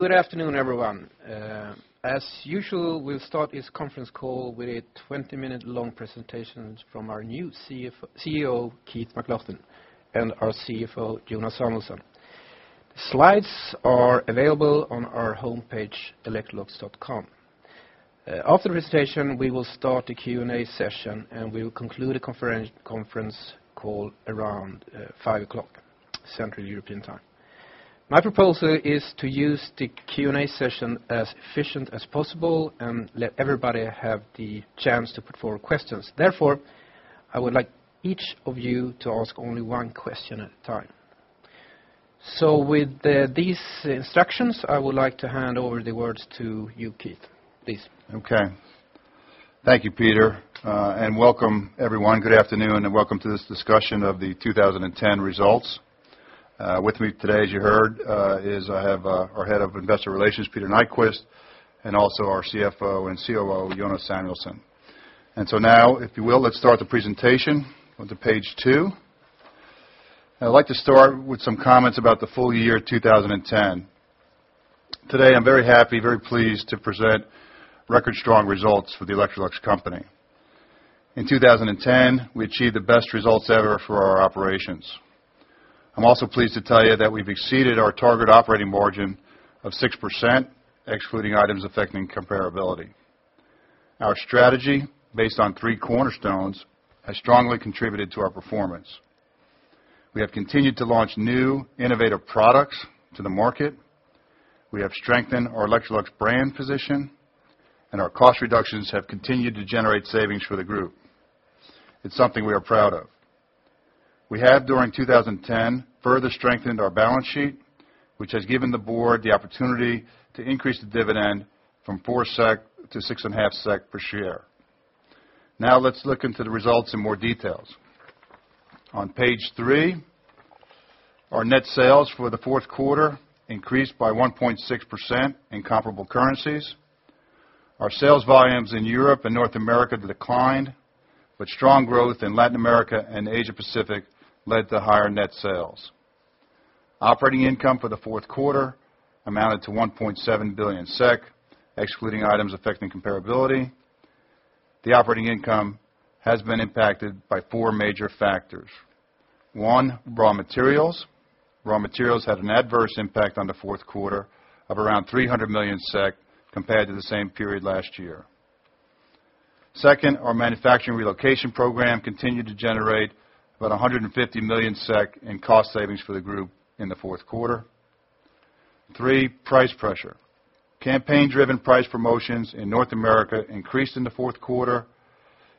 Good afternoon, everyone. As usual, we'll start this conference call with a 20-minute long presentations from our new CEO, Keith McLoughlin, and our CFO, Jonas Samuelson. Slides are available on our homepage, electrolux.com. After the presentation, we will start the Q&A session, and we will conclude the conference call around 5:00 Central European Time. My proposal is to use the Q&A session as efficient as possible and let everybody have the chance to put forward questions. Therefore, I would like each of you to ask only one question at a time. With these instructions, I would like to hand over the words to you, Keith, please. Okay. Thank you, Peter, and welcome, everyone. Good afternoon, welcome to this discussion of the 2010 results. With me today, as you heard, I have our Head of Investor Relations, Peter Nyquist, and also our CFO and COO, Jonas Samuelson. Now, if you will, let's start the presentation. On to page 2. I'd like to start with some comments about the full year 2010. Today, I'm very happy, very pleased to present record-strong results for the Electrolux company. In 2010, we achieved the best results ever for our operations. I'm also pleased to tell you that we've exceeded our target operating margin of 6%, excluding items affecting comparability. Our strategy, based on three cornerstones, has strongly contributed to our performance. We have continued to launch new, innovative products to the market. We have strengthened our Electrolux brand position, and our cost reductions have continued to generate savings for the group. It's something we are proud of. We have, during 2010, further strengthened our balance sheet, which has given the board the opportunity to increase the dividend from 4 SEK to 6.50 per share. Now, let's look into the results in more details. On page three, our net sales for the fourth quarter increased by 1.6% in comparable currencies. Our sales volumes in Europe and North America declined, but strong growth in Latin America and Asia Pacific led to higher net sales. Operating income for the fourth quarter amounted to 1.7 billion SEK, excluding items affecting comparability. The operating income has been impacted by four major factors. One, raw materials. Raw materials had an adverse impact on the fourth quarter of around 300 million SEK compared to the same period last year. Second, our manufacturing relocation program continued to generate about 150 million SEK in cost savings for the group in the fourth quarter. Three, price pressure. Campaign-driven price promotions in North America increased in the fourth quarter.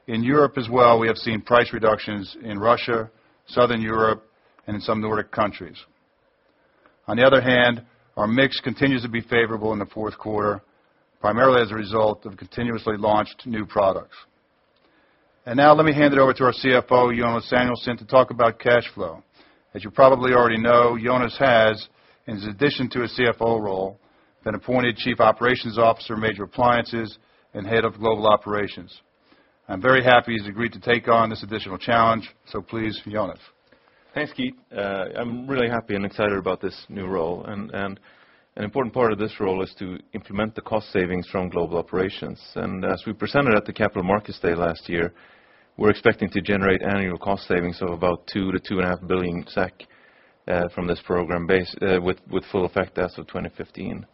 In Europe as well, we have seen price reductions in Russia, Southern Europe, and in some Nordic countries. On the other hand, our mix continues to be favorable in the fourth quarter, primarily as a result of continuously launched new products. Now let me hand it over to our CFO, Jonas Samuelson, to talk about cash flow. As you probably already know, Jonas has, in addition to his CFO role, been appointed Chief Operations Officer, Major Appliances and Head of Global Operations. I'm very happy he's agreed to take on this additional challenge, so please, Jonas. Thanks, Keith. I'm really happy and excited about this new role, and an important part of this role is to implement the cost savings from global operations. As we presented at the Capital Markets Day last year, we're expecting to generate annual cost savings of about 2 billion-2.5 billion SEK from this program base, with full effect as of 2015.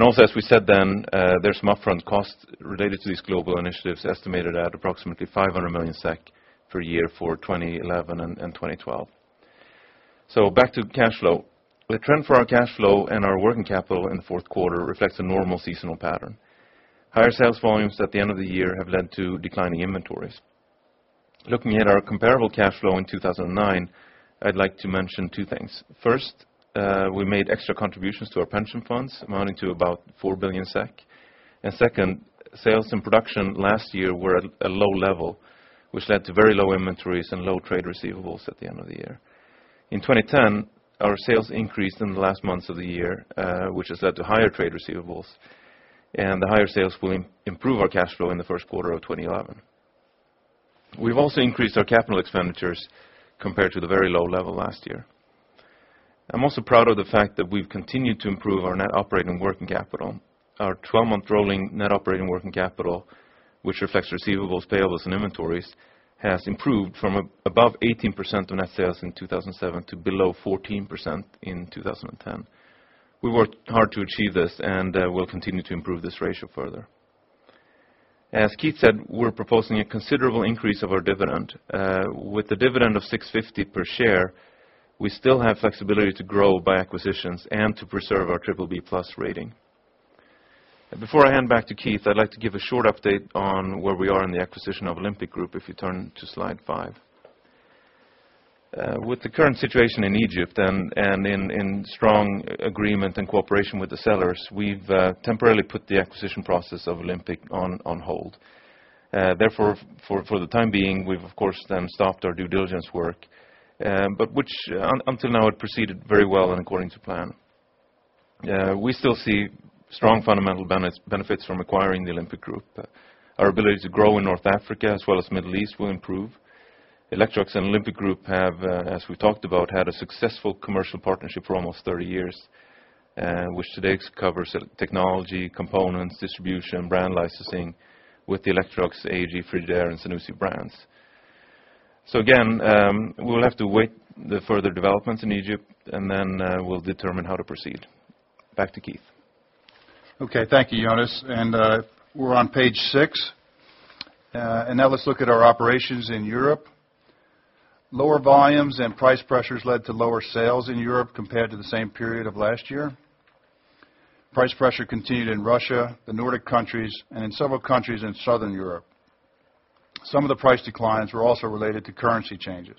Also, as we said then, there's some upfront costs related to these global initiatives, estimated at approximately 500 million SEK per year for 2011 and 2012. Back to cash flow. The trend for our cash flow and our working capital in the fourth quarter reflects a normal seasonal pattern. Higher sales volumes at the end of the year have led to declining inventories. Looking at our comparable cash flow in 2009, I'd like to mention two things. First, we made extra contributions to our pension funds, amounting to about 4 billion SEK. Second, sales and production last year were at a low level, which led to very low inventories and low trade receivables at the end of the year. In 2010, our sales increased in the last months of the year, which has led to higher trade receivables. The higher sales will improve our cash flow in the first quarter of 2011. We've also increased our capital expenditures compared to the very low level last year. I'm also proud of the fact that we've continued to improve our net operating working capital. Our 12-month rolling net operating working capital, which reflects receivables, payables, and inventories, has improved from above 18% of net sales in 2007 to below 14% in 2010. We worked hard to achieve this, and we'll continue to improve this ratio further. As Keith said, we're proposing a considerable increase of our dividend. With the dividend of 6.50 per share, we still have flexibility to grow by acquisitions and to preserve our BBB+ rating. Before I hand back to Keith, I'd like to give a short update on where we are in the acquisition of Olympic Group, if you turn to slide five. With the current situation in Egypt and in strong agreement and cooperation with the sellers, we've temporarily put the acquisition process of Olympic on hold. Therefore, for the time being, we've, of course, then stopped our due diligence work, which until now, it proceeded very well and according to plan. Our ability to grow in North Africa as well as Middle East will improve. Electrolux and Olympic Group have, as we talked about, had a successful commercial partnership for almost 30 years, which today covers technology, components, distribution, brand licensing with the Electrolux, AEG, Frigidaire, and Zanussi brands. Again, we'll have to wait the further developments in Egypt, and then, we'll determine how to proceed. Back to Keith. Okay. Thank you, Jonas. We're on page six. Now let's look at our operations in Europe. Lower volumes and price pressures led to lower sales in Europe compared to the same period of last year. Price pressure continued in Russia, the Nordic countries, and in several countries in Southern Europe. Some of the price declines were also related to currency changes.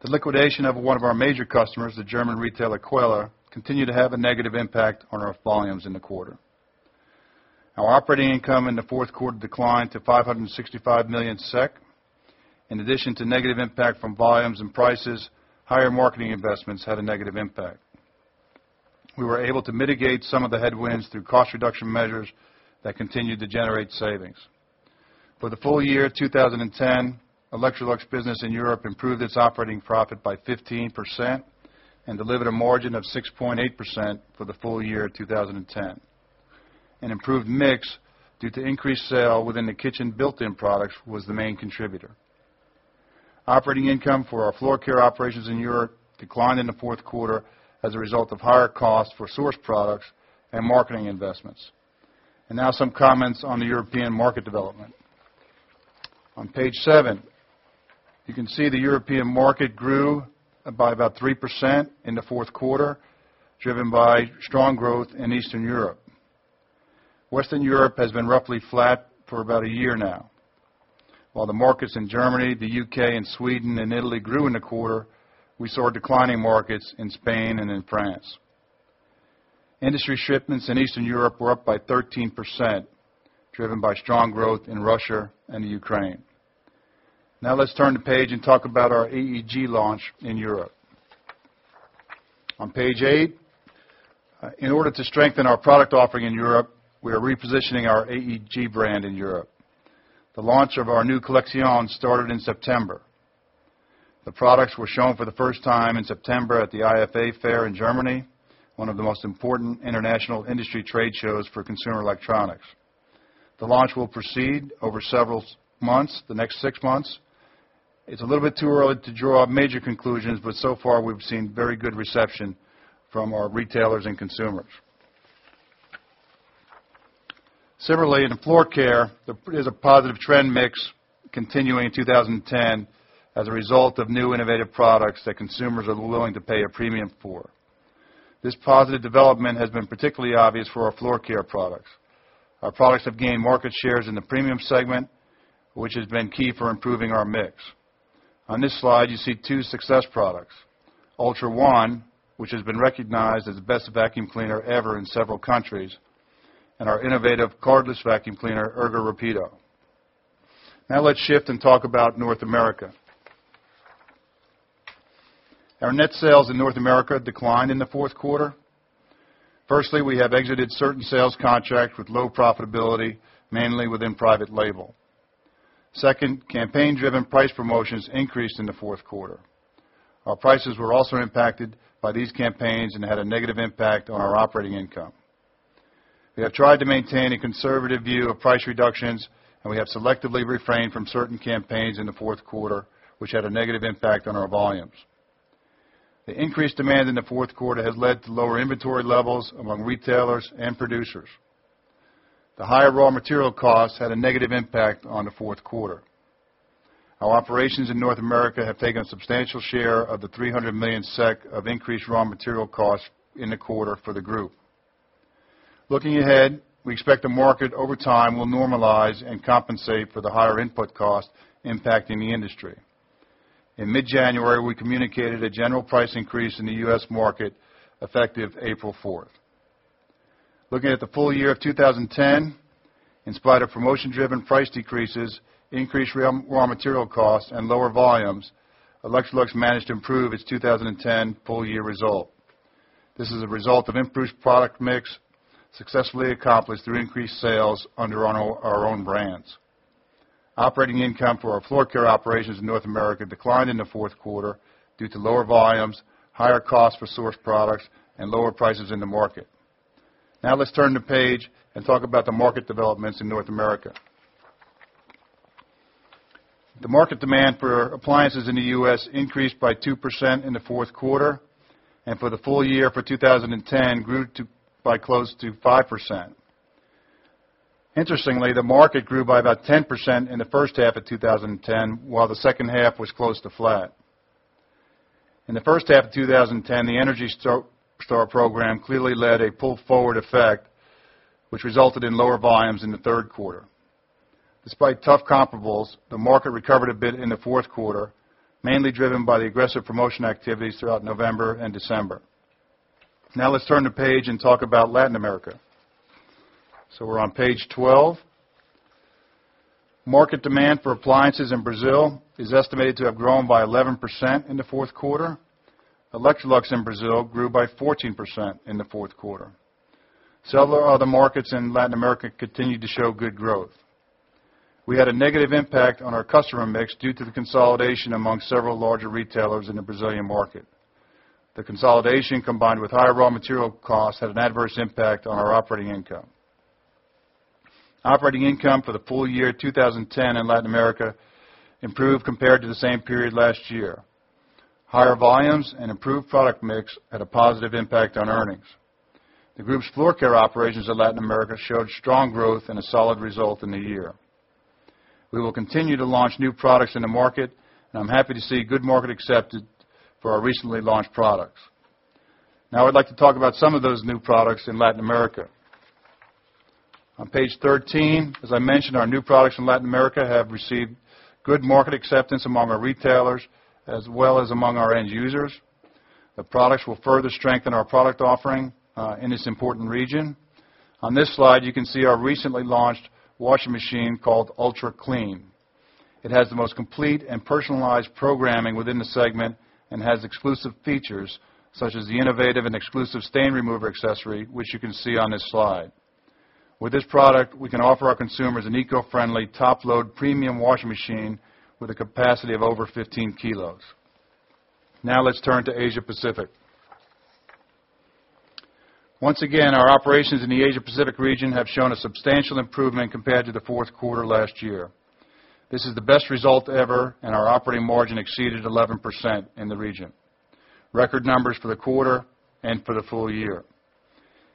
The liquidation of one of our major customers, the German retailer, Quelle, continued to have a negative impact on our volumes in the quarter. Our operating income in the fourth quarter declined to 565 million SEK. In addition to negative impact from volumes and prices, higher marketing investments had a negative impact. We were able to mitigate some of the headwinds through cost reduction measures that continued to generate savings. For the full year 2010, Electrolux business in Europe improved its operating profit by 15% and delivered a margin of 6.8% for the full year 2010. An improved mix, due to increased sale within the kitchen built-in products, was the main contributor. Operating income for our floor care operations in Europe declined in the fourth quarter as a result of higher costs for source products and marketing investments. Now some comments on the European market development. On page seven, you can see the European market grew by about 3% in the fourth quarter, driven by strong growth in Eastern Europe. Western Europe has been roughly flat for about a year now. While the markets in Germany, the U.K., and Sweden, and Italy grew in the quarter, we saw declining markets in Spain and in France. Industry shipments in Eastern Europe were up by 13%, driven by strong growth in Russia and the Ukraine. Let's turn the page and talk about our AEG launch in Europe. On page eight, in order to strengthen our product offering in Europe, we are repositioning our AEG brand in Europe. The launch of our new collection started in September. The products were shown for the first time in September at the IFA Fair in Germany, one of the most important international industry trade shows for consumer electronics. The launch will proceed over several months, the next 6 months. It's a little bit too early to draw major conclusions, but so far we've seen very good reception from our retailers and consumers. Similarly, in floor care, there is a positive trend mix continuing in 2010 as a result of new innovative products that consumers are willing to pay a premium for. This positive development has been particularly obvious for our floor care products. Our products have gained market shares in the premium segment, which has been key for improving our mix. On this slide, you see two success products, UltraOne, which has been recognized as the best vacuum cleaner ever in several countries, and our innovative cordless vacuum cleaner, Ergorapido. Let's shift and talk about North America. Our net sales in North America declined in the fourth quarter. Firstly, we have exited certain sales contracts with low profitability, mainly within private label. Second, campaign-driven price promotions increased in the fourth quarter. Our prices were also impacted by these campaigns and had a negative impact on our operating income. We have tried to maintain a conservative view of price reductions, and we have selectively refrained from certain campaigns in the fourth quarter, which had a negative impact on our volumes. The increased demand in the fourth quarter has led to lower inventory levels among retailers and producers. The higher raw material costs had a negative impact on the fourth quarter. Our operations in North America have taken a substantial share of the 300 million SEK of increased raw material costs in the quarter for the group. Looking ahead, we expect the market, over time, will normalize and compensate for the higher input cost impacting the industry. In mid-January, we communicated a general price increase in the US market, effective April 4th. Looking at the full year of 2010, in spite of promotion-driven price decreases, increased raw material costs, and lower volumes, Electrolux managed to improve its 2010 full-year result. This is a result of improved product mix, successfully accomplished through increased sales under our own brands. Operating income for our floor care operations in North America declined in the fourth quarter due to lower volumes, higher costs for source products, and lower prices in the market. Let's turn the page and talk about the market developments in North America. The market demand for appliances in the US increased by 2% in the fourth quarter, and for the full year for 2010, grew by close to 5%. Interestingly, the market grew by about 10% in the first half of 2010, while the second half was close to flat. In the first half of 2010, the ENERGY STAR program clearly led a pull-forward effect, which resulted in lower volumes in the third quarter. Despite tough comparables, the market recovered a bit in the fourth quarter, mainly driven by the aggressive promotion activities throughout November and December. Let's turn the page and talk about Latin America. We're on page 12. Market demand for appliances in Brazil is estimated to have grown by 11% in the fourth quarter. Electrolux in Brazil grew by 14% in the fourth quarter. Several other markets in Latin America continued to show good growth. We had a negative impact on our customer mix due to the consolidation among several larger retailers in the Brazilian market. The consolidation, combined with higher raw material costs, had an adverse impact on our operating income. Operating income for the full year 2010 in Latin America improved compared to the same period last year. Higher volumes and improved product mix had a positive impact on earnings. The group's floor care operations in Latin America showed strong growth and a solid result in the year. We will continue to launch new products in the market, and I'm happy to see good market acceptance for our recently launched products. Now I'd like to talk about some of those new products in Latin America. On page 13, as I mentioned, our new products in Latin America have received good market acceptance among our retailers, as well as among our end users. The products will further strengthen our product offering in this important region. On this slide, you can see our recently launched washing machine called UltraClean. It has the most complete and personalized programming within the segment and has exclusive features, such as the innovative and exclusive stain remover accessory, which you can see on this slide. With this product, we can offer our consumers an eco-friendly, top-load, premium washing machine with a capacity of over 15 kilos. Now let's turn to Asia-Pacific. Once again, our operations in the Asia-Pacific region have shown a substantial improvement compared to the fourth quarter last year. This is the best result ever, and our operating margin exceeded 11% in the region, record numbers for the quarter and for the full year.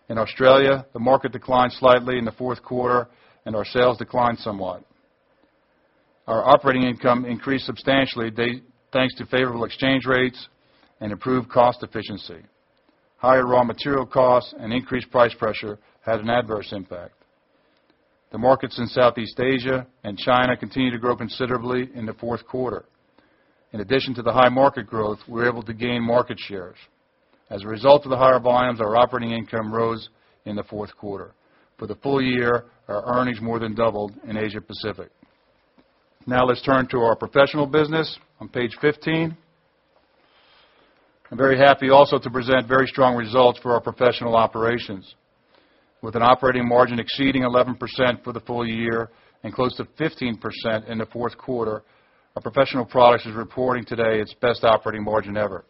In Australia, the market declined slightly in the fourth quarter, and our sales declined somewhat. Our operating income increased substantially, thanks to favorable exchange rates and improved cost efficiency. Higher raw material costs and increased price pressure had an adverse impact. The markets in Southeast Asia and China continued to grow considerably in the fourth quarter. In addition to the high market growth, we were able to gain market shares. As a result of the higher volumes, our operating income rose in the fourth quarter. For the full year, our earnings more than doubled in Asia-Pacific. Let's turn to our professional business on page 15. I'm very happy also to present very strong results for our professional operations. With an operating margin exceeding 11% for the full year and close to 15% in the fourth quarter, our professional products is reporting today its best operating margin ever.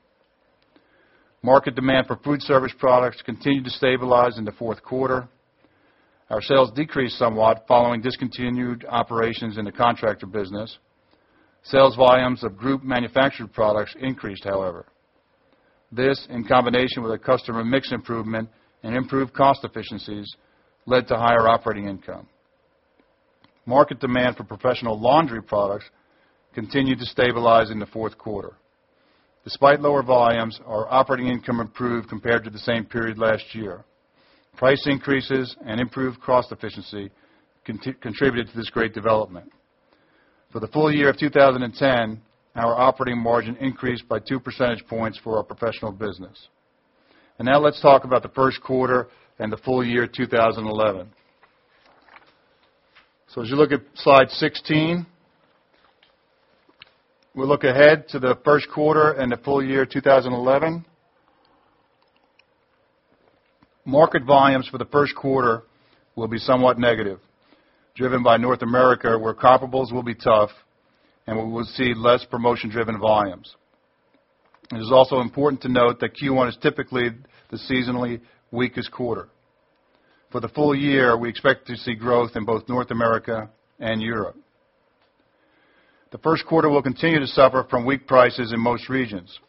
Market demand for food service products continued to stabilize in the fourth quarter. Our sales decreased somewhat following discontinued operations in the contractor business. Sales volumes of group manufactured products increased, however. This, in combination with a customer mix improvement and improved cost efficiencies, led to higher operating income. Market demand for professional laundry products continued to stabilize in the fourth quarter. Despite lower volumes, our operating income improved compared to the same period last year. Price increases and improved cost efficiency contributed to this great development. For the full year of 2010, our operating margin increased by 2 percentage points for our professional business. Now let's talk about the first quarter and the full year 2011. As you look at slide 16, we look ahead to the first quarter and the full year 2011. Market volumes for the first quarter will be somewhat negative, driven by North America, where comparables will be tough, and we will see less promotion-driven volumes. It is also important to note that Q1 is typically the seasonally weakest quarter. For the full year, we expect to see growth in both North America and Europe. The first quarter will continue to suffer from weak prices in most regions.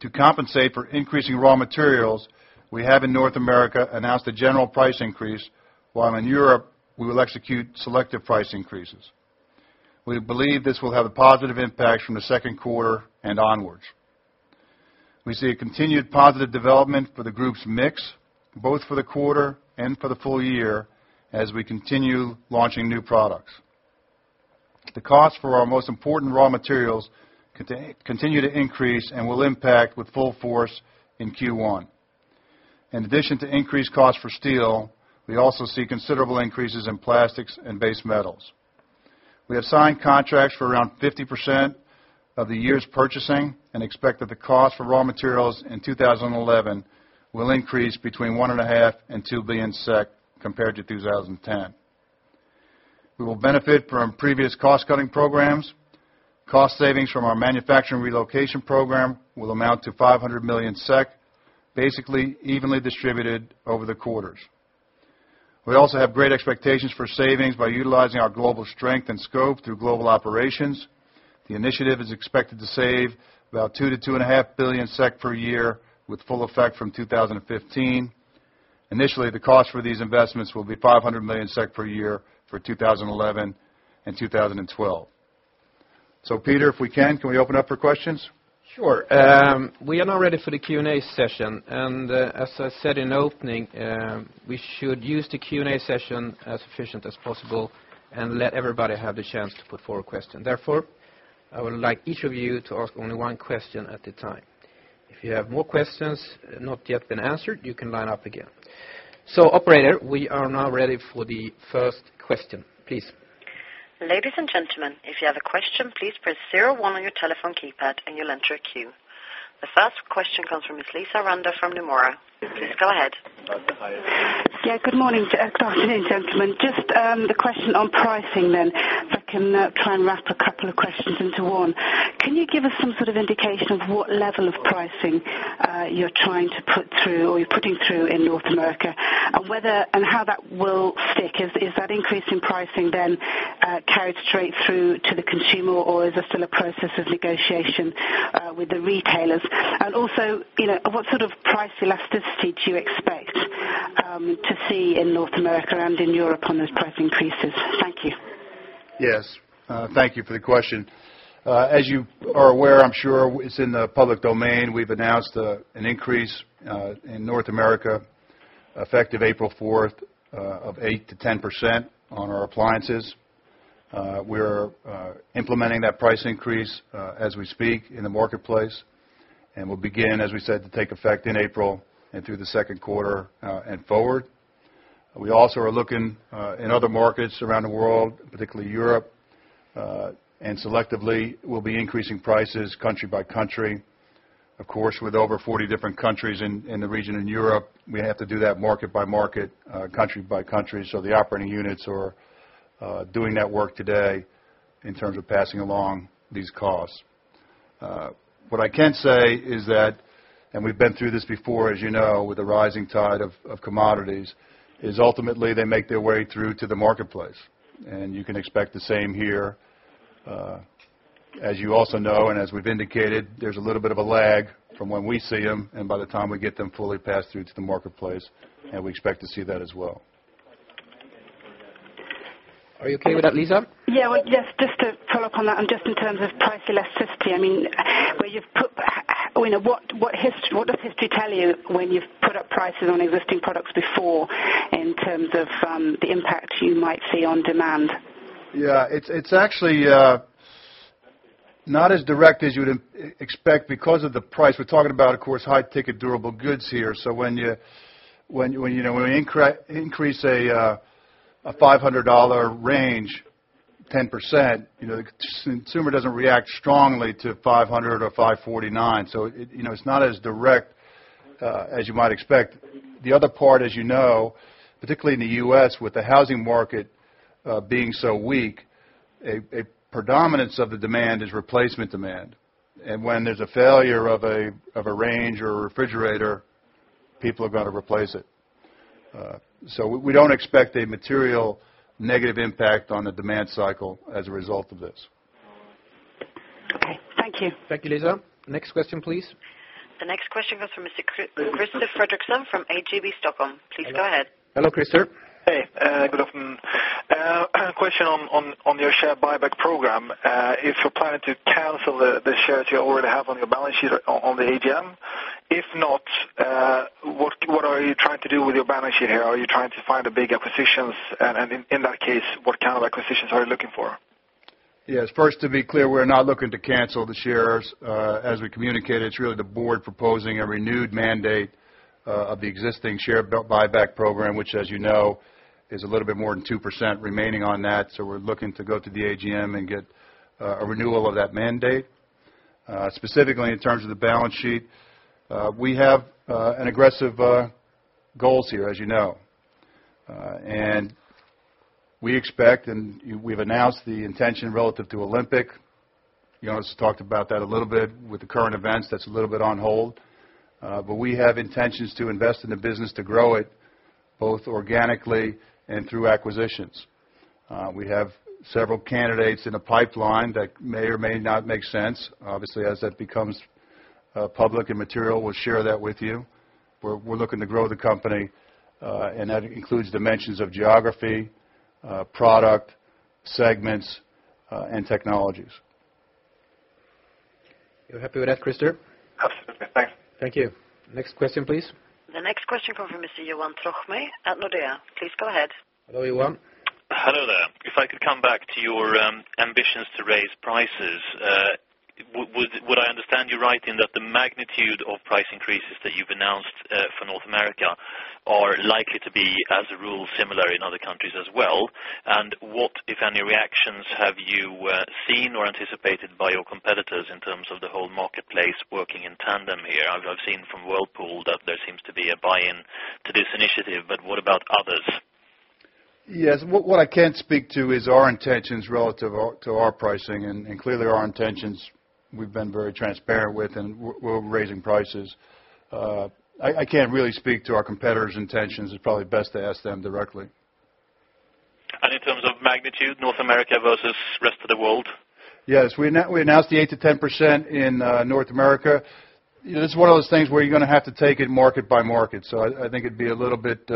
To compensate for increasing raw materials, we have, in North America, announced a general price increase, while in Europe, we will execute selective price increases. We believe this will have a positive impact from the second quarter and onwards. We see a continued positive development for the group's mix, both for the quarter and for the full year, as we continue launching new products. The cost for our most important raw materials continue to increase and will impact with full force in Q1. In addition to increased costs for steel, we also see considerable increases in plastics and base metals. We have signed contracts for around 50% of the year's purchasing and expect that the cost for raw materials in 2011 will increase between 1.5 billion and 2 billion SEK compared to 2010. We will benefit from previous cost-cutting programs. Cost savings from our manufacturing relocation program will amount to 500 million SEK, basically evenly distributed over the quarters. We also have great expectations for savings by utilizing our global strength and scope through global operations. The initiative is expected to save about 2 billion-2.5 billion SEK per year, with full effect from 2015. Initially, the cost for these investments will be 500 million SEK per year for 2011 and 2012. Peter, if we can open up for questions? Sure. We are now ready for the Q&A session. As I said in opening, we should use the Q&A session as efficient as possible and let everybody have the chance to put forward a question. Therefore, I would like each of you to ask only one question at a time. If you have more questions not yet been answered, you can line up again. Operator, we are now ready for the first question, please. Ladies and gentlemen, if you have a question, please press zero one on your telephone keypad and you'll enter a queue. The first question comes from Miss Lisa Randa from Nomura. Please go ahead. Yeah, good morning, good afternoon, gentlemen. Just a question on pricing then, if I can try and wrap a couple of questions into one. Can you give us some sort of indication of what level of pricing you're trying to put through or you're putting through in North America? How that will stick? Is that increase in pricing then carried straight through to the consumer, or is there still a process of negotiation with the retailers? Also, you know, what sort of price elasticity do you expect to see in North America and in Europe on those price increases? Thank you. Yes, thank you for the question. As you are aware, I'm sure it's in the public domain, we've announced an increase in North America, effective April 4th, of 8% to 10% on our appliances. We're implementing that price increase as we speak in the marketplace, and will begin, as we said, to take effect in April and through the second quarter and forward. We also are looking in other markets around the world, particularly Europe, and selectively we'll be increasing prices country by country. Of course, with over 40 different countries in the region in Europe, we're gonna have to do that market by market, country by country, so the operating units are doing that work today in terms of passing along these costs. What I can say is that, and we've been through this before, as you know, with the rising tide of commodities, is ultimately they make their way through to the marketplace, and you can expect the same here. As you also know, and as we've indicated, there's a little bit of a lag from when we see them and by the time we get them fully passed through to the marketplace, and we expect to see that as well. Are you okay with that, Lisa? Well, just to follow up on that, just in terms of price elasticity, I mean, where you've put, you know, what history, what does history tell you when you've put up prices on existing products before, in terms of the impact you might see on demand? Yeah, it's actually not as direct as you would expect because of the price. We're talking about, of course, high-ticket durable goods here. When you know, when we increase a $500 range, 10%, you know, the consumer doesn't react strongly to $500 or $549. It, you know, it's not as direct as you might expect. The other part, as you know, particularly in the U.S., with the housing market being so weak, a predominance of the demand is replacement demand, and when there's a failure of a range or a refrigerator, people are gonna replace it. We don't expect a material negative impact on the demand cycle as a result of this. Okay. Thank you. Thank you, Lisa. Next question, please. The next question goes to Mr. Christer Fredriksson from ABG Stockholm. Please go ahead. Hello, Christer. Hey, good afternoon. Question on your share buyback program. If you're planning to cancel the shares you already have on your balance sheet on the AGM? If not, what are you trying to do with your balance sheet here? Are you trying to find a big acquisitions, and in that case, what kind of acquisitions are you looking for? First, to be clear, we're not looking to cancel the shares. As we communicated, it's really the board proposing a renewed mandate of the existing share buyback program, which, as you know, is a little bit more than 2% remaining on that. We're looking to go to the AGM and get a renewal of that mandate. Specifically, in terms of the balance sheet, we have an aggressive goals here, as you know. We expect, and we've announced the intention relative to Olympic. Jonas talked about that a little bit. With the current events, that's a little bit on hold, we have intentions to invest in the business, to grow it, both organically and through acquisitions. We have several candidates in the pipeline that may or may not make sense. Obviously, as that becomes public and material, we'll share that with you. We're looking to grow the company, and that includes dimensions of geography, product, segments, and technologies. You're happy with that, Christer? Absolutely. Thanks. Thank you. Next question, please. The next question comes from Mr. Johan Trocmé at Nordea. Please go ahead. Hello, Johan. Hello there. If I could come back to your ambitions to raise prices, would I understand you right, in that the magnitude of price increases that you've announced for North America are likely to be, as a rule, similar in other countries as well? What, if any, reactions have you seen or anticipated by your competitors in terms of the whole marketplace working in tandem here? I've seen from Whirlpool that there seems to be a buy-in to this initiative. What about others? Yes. What I can speak to is our intentions relative to our pricing, and clearly our intentions, we've been very transparent with, and we're raising prices. I can't really speak to our competitors' intentions. It's probably best to ask them directly. In terms of magnitude, North America versus rest of the world? Yes, we announced the 8% to 10% in North America. It's one of those things where you're gonna have to take it market by market, I think it'd be a little bit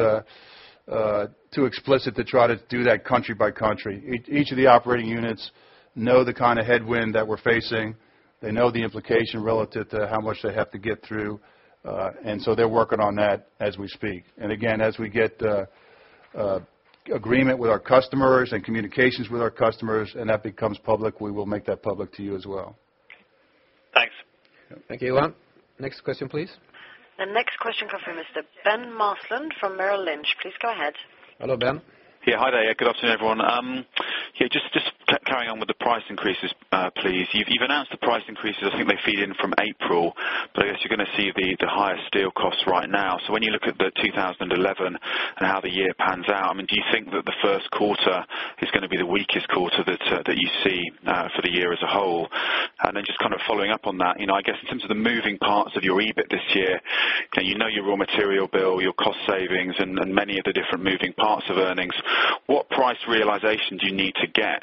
too explicit to try to do that country by country. Each of the operating units know the kind of headwind that we're facing. They know the implication relative to how much they have to get through, they're working on that as we speak. Again, as we get agreement with our customers and communications with our customers, and that becomes public, we will make that public to you as well. Thanks. Thank you, Operator. Next question, please. The next question come from Mr. Ben Maslen from Merrill Lynch. Please go ahead. Hello, Ben. Yeah, hi there. Good afternoon, everyone. Yeah, just carrying on with the price increases, please. You've announced the price increases. I think they feed in from April. I guess you're gonna see the higher steel costs right now. When you look at 2011 and how the year pans out, I mean, do you think that the first quarter is gonna be the weakest quarter that you see for the year as a whole? Just kind of following up on that, you know, I guess in terms of the moving parts of your EBIT this year, you know your raw material bill, your cost savings, and many of the different moving parts of earnings, what price realization do you need to get,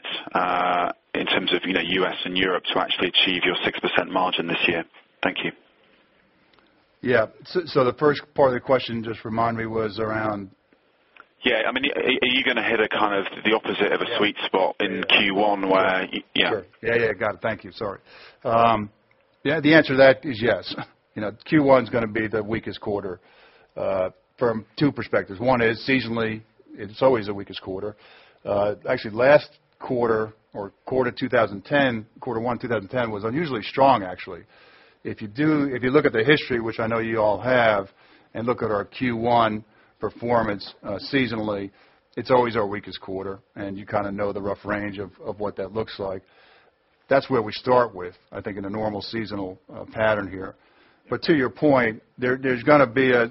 in terms of, you know, U.S. and Europe, to actually achieve your 6% margin this year? Thank you. Yeah. The first part of the question, just remind me, was around? Yeah. I mean, are you gonna hit a, kind of, the opposite of a sweet spot in Q1, where? Yeah. Sure. Yeah, yeah. Got it. Thank you. Sorry. The answer to that is yes. You know, Q1 is gonna be the weakest quarter from two perspectives. One is seasonally, it's always the weakest quarter. Actually, Q1 2010 was unusually strong, actually. If you look at the history, which I know you all have, and look at our Q1 performance, seasonally, it's always our weakest quarter, and you kind of know the rough range of what that looks like. That's where we start with, I think, in a normal seasonal pattern here. To your point, there's gonna be a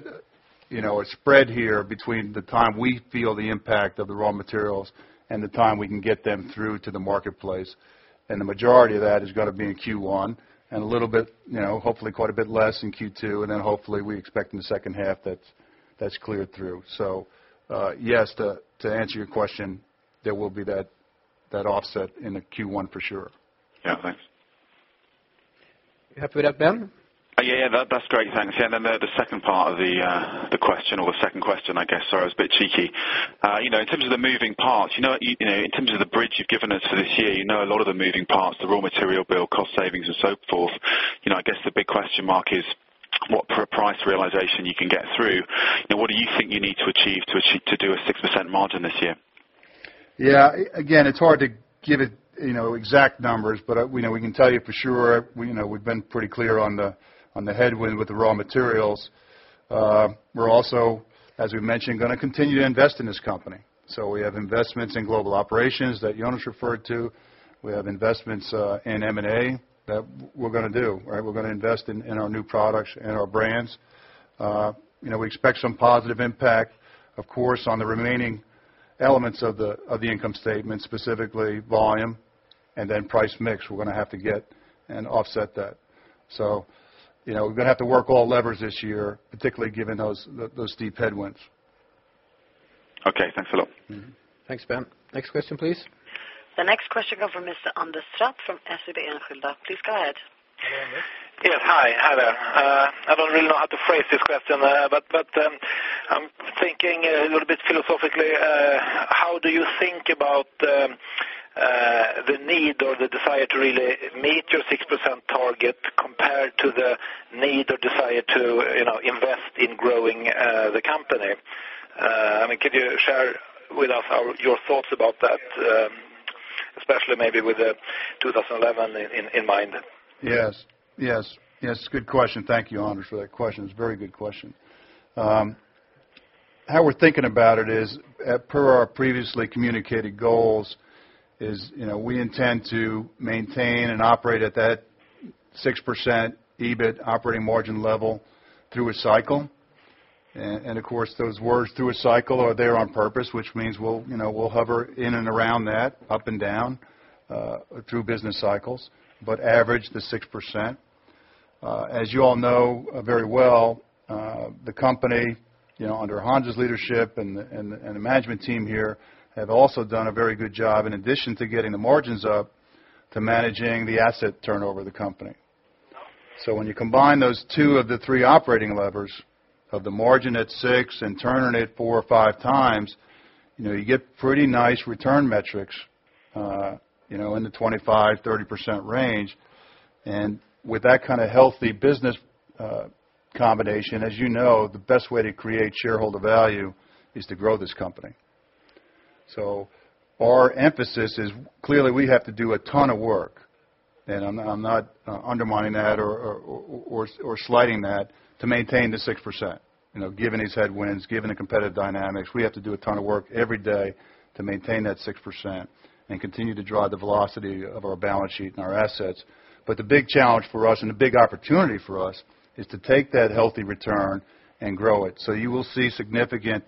spread here between the time we feel the impact of the raw materials and the time we can get them through to the marketplace. The majority of that is gonna be in Q1, a little bit, you know, hopefully quite a bit less in Q2. Then, hopefully, we expect in the second half that's cleared through. Yes, to answer your question, there will be that offset in the Q1, for sure. Yeah, thanks. Happy with that, Ben? Yeah, yeah, that's great. Thanks. Yeah, the second part of the question or the second question, I guess. Sorry, I was a bit cheeky. You know, in terms of the moving parts, you know, you know, in terms of the bridge you've given us for this year, you know a lot of the moving parts, the raw material bill, cost savings, and so forth. You know, I guess the big question mark is what price realization you can get through. You know, what do you think you need to achieve, to do a 6% margin this year? Yeah. again, it's hard to give it, you know, exact numbers, but we know we can tell you for sure, we know, we've been pretty clear on the headwind with the raw materials. We're also, as we've mentioned, gonna continue to invest in this company. We have investments in global operations that Jonas referred to. We have investments in M&A that we're gonna do, right? We're gonna invest in our new products and our brands. you know, we expect some positive impact, of course, on the remaining elements of the income statement, specifically volume and then price mix, we're gonna have to get and offset that. you know, we're gonna have to work all levers this year, particularly given those steep headwinds. Okay, thanks a lot. Mm-hmm. Thanks, Ben. Next question, please. The next question come from Mr. Anders Trapp from SEB Enskilda. Please go ahead. Hello, Anders. Yes, hi. Hi there. I don't really know how to phrase this question, but, I'm thinking a little bit philosophically. How do you think about the need or the desire to really meet your 6% target, compared to the need or desire to, you know, invest in growing the company? I mean, could you share with us how, your thoughts about that, especially maybe with the 2011 in mind? Yes. Yes. Yes, good question. Thank you, Anders, for that question. It's a very good question. How we're thinking about it is, at, per our previously communicated goals, is, you know, we intend to maintain and operate at that 6% EBIT operating margin level through a cycle. Of course, those words, through a cycle, are there on purpose, which means we'll, you know, we'll hover in and around that, up and down, through business cycles, but average the 6%. As you all know, very well, the company, you know, under Hans' leadership and the management team here, have also done a very good job, in addition to getting the margins up, to managing the asset turnover of the company. When you combine those two of the three operating levers, of the margin at 6x and turning it 4x or 5x, you know, you get pretty nice return metrics, you know, in the 25%-30% range. With that kind of healthy business combination, as you know, the best way to create shareholder value is to grow this company. Our emphasis is, clearly, we have to do a ton of work, and I'm not undermining that or slighting that, to maintain the 6%. You know, given these headwinds, given the competitive dynamics, we have to do a ton of work every day to maintain that 6% and continue to drive the velocity of our balance sheet and our assets. The big challenge for us, and the big opportunity for us, is to take that healthy return and grow it. You will see significant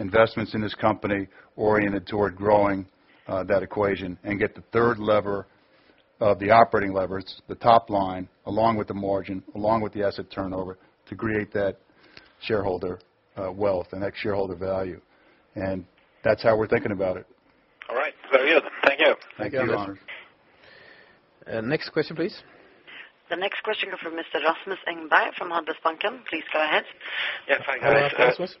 investments in this company oriented toward growing that equation and get the third lever of the operating levers, the top line, along with the margin, along with the asset turnover, to create that shareholder wealth, the next shareholder value. That's how we're thinking about it. All right. Very good. Thank you. Thank you, Anders. Next question, please. The next question come from Mr. Rasmus Engberg from Nordea Bank. Please go ahead. Yeah, hi, Rasmus.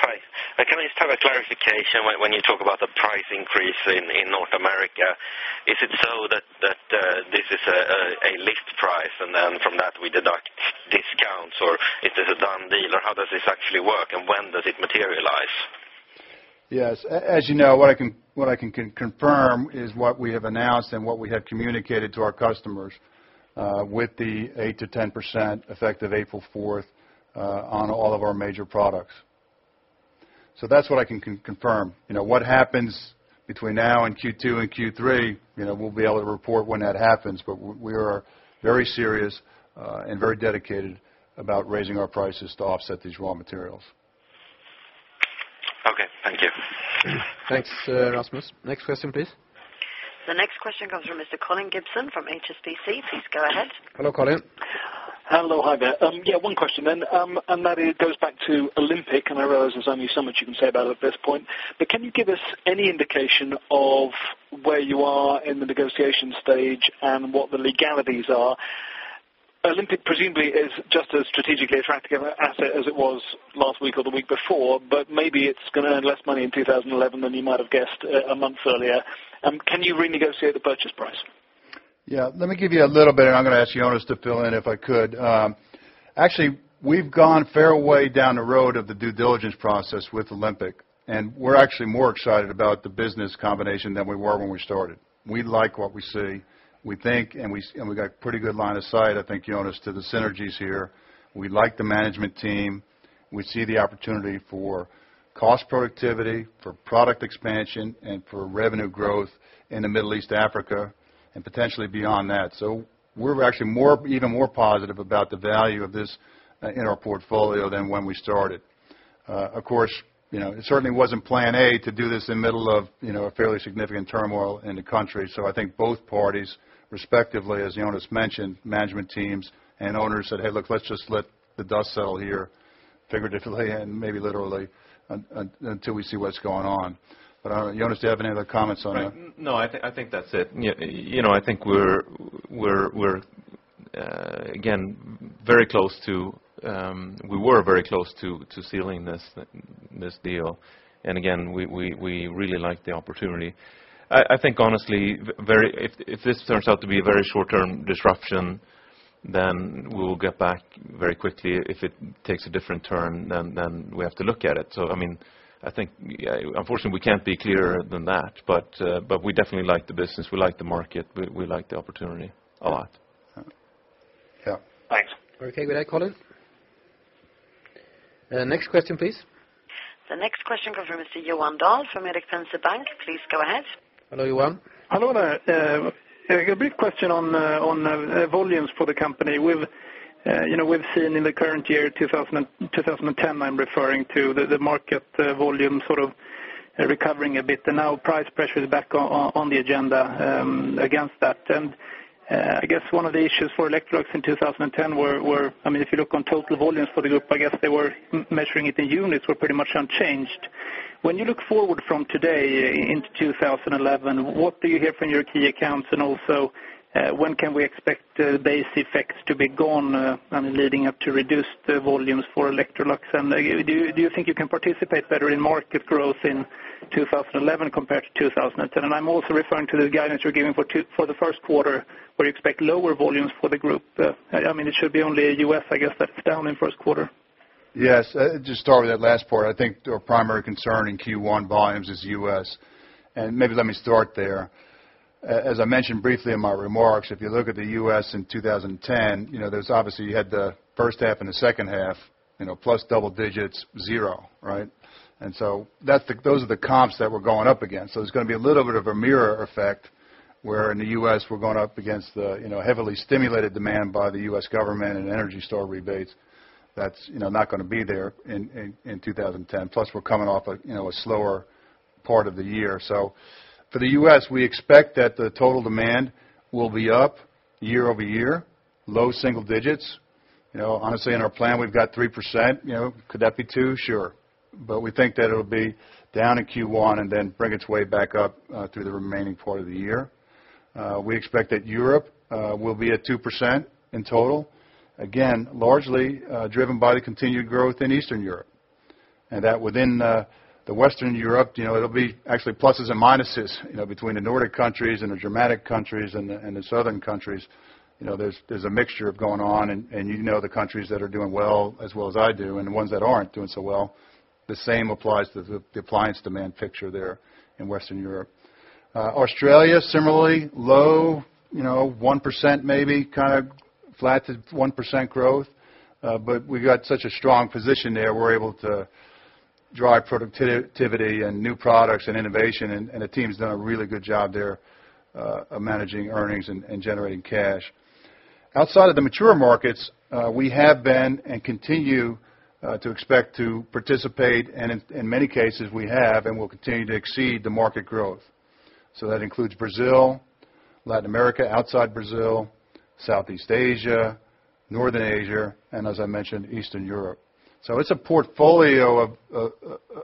Hi. Can I just have a clarification when you talk about the price increase in North America? Is it so that this is a list price, and then from that, we deduct discounts, or is this a done deal? How does this actually work, and when does it materialize? Yes, as you know, what I can, what I can confirm is what we have announced and what we have communicated to our customers, with the 8% to10%, effective April 4th, on all of our major products. That's what I can confirm. You know, what happens between now and Q2 and Q3, you know, we'll be able to report when that happens, we are very serious and very dedicated about raising our prices to offset these raw materials. Okay, thank you. Thanks, Rasmus. Next question, please. The next question comes from Mr. Colin Gibson from HSBC. Please go ahead. Hello, Colin. Hello. Hi there. Yeah, one question then, and that it goes back to Olympic, and I realize there's only so much you can say about it at this point. Can you give us any indication of where you are in the negotiation stage and what the legalities are? Olympic, presumably, is just as strategically attractive an asset as it was last week or the week before, maybe it's gonna earn less money in 2011 than you might have guessed a month earlier. Can you renegotiate the purchase price? Yeah, let me give you a little bit, and I'm gonna ask Jonas to fill in, if I could. Actually, we've gone a fair way down the road of the due diligence process with Olympic, and we're actually more excited about the business combination than we were when we started. We like what we see. We think, and we got pretty good line of sight, I think, Jonas, to the synergies here. We like the management team. We see the opportunity for cost productivity, for product expansion, and for revenue growth in the Middle East, Africa, and potentially beyond that. We're actually even more positive about the value of this in our portfolio than when we started. Of course, you know, it certainly wasn't plan A to do this in the middle of, you know, a fairly significant turmoil in the country. I think both parties, respectively, as Jonas mentioned, management teams and owners said: "Hey, look, let's just let the dust settle here, figuratively and maybe literally, until we see what's going on." Jonas, do you have any other comments on that? Right. No, I think that's it. You know, I think we're again, very close. We were very close to sealing this deal. Again, we really like the opportunity. I think, honestly, if this turns out to be a very short-term disruption, then we will get back very quickly. If it takes a different turn, then we have to look at it. I mean, I think, yeah, unfortunately, we can't be clearer than that, but we definitely like the business. We like the market. We like the opportunity a lot. Yeah. Thanks. Okay. Good day, Colin. Next question, please. The next question comes from Mr. Johan Dahl from Erik Penser Bank. Please go ahead. Hello, Johan. Hello there. A brief question on volumes for the company. We've, you know, we've seen in the current year, 2010, I'm referring to, the market volume sort of recovering a bit, and now price pressure is back on the agenda against that. I guess one of the issues for Electrolux in 2010 were, I mean, if you look on total volumes for the group, I guess they were measuring it in units, were pretty much unchanged. When you look forward from today into 2011, what do you hear from your key accounts? Also, when can we expect base effects to be gone, I mean, leading up to reduced volumes for Electrolux? Do you think you can participate better in market growth in 2011 compared to 2010? I'm also referring to the guidance you're giving for the first quarter, where you expect lower volumes for the group. I mean, it should be only U.S., I guess, that's down in first quarter. Yes. Just start with that last part. I think our primary concern in Q1 volumes is U.S., and maybe let me start there. As I mentioned briefly in my remarks, if you look at the U.S. in 2010, you know, there's obviously, you had the first half and the second half, you know, plus double digits, zero, right? Those are the comps that we're going up against. So there's gonna be a little bit of a mirror effect, where in the U.S., we're going up against the, you know, heavily stimulated demand by the U.S. government and ENERGY STAR rebates. That's, you know, not gonna be there in 2010, plus we're coming off a, you know, a slower part of the year. For the U.S., we expect that the total demand will be up year-over-year, low single digits. You know, honestly, in our plan, we've got 3%. You know, could that be 2? Sure. We think that it'll be down in Q1 and then bring its way back up through the remaining part of the year. We expect that Europe will be at 2% in total. Again, largely driven by the continued growth in Eastern Europe, and that within the Western Europe, you know, it'll be actually pluses and minuses, you know, between the Nordic countries and the Germanic countries and the Southern countries. You know, there's a mixture going on, and you know the countries that are doing well, as well as I do, and the ones that aren't doing so well. The same applies to the appliance demand picture there in Western Europe. Australia, similarly, low, you know, 1%, maybe, kind of flat to 1% growth. We've got such a strong position there, we're able to drive productivity and new products and innovation, and the team's done a really good job there, of managing earnings and generating cash. Outside of the mature markets, we have been and continue to expect to participate, and in many cases, we have and will continue to exceed the market growth. That includes Brazil, Latin America, outside Brazil, Southeast Asia, Northern Asia, and as I mentioned, Eastern Europe. It's a portfolio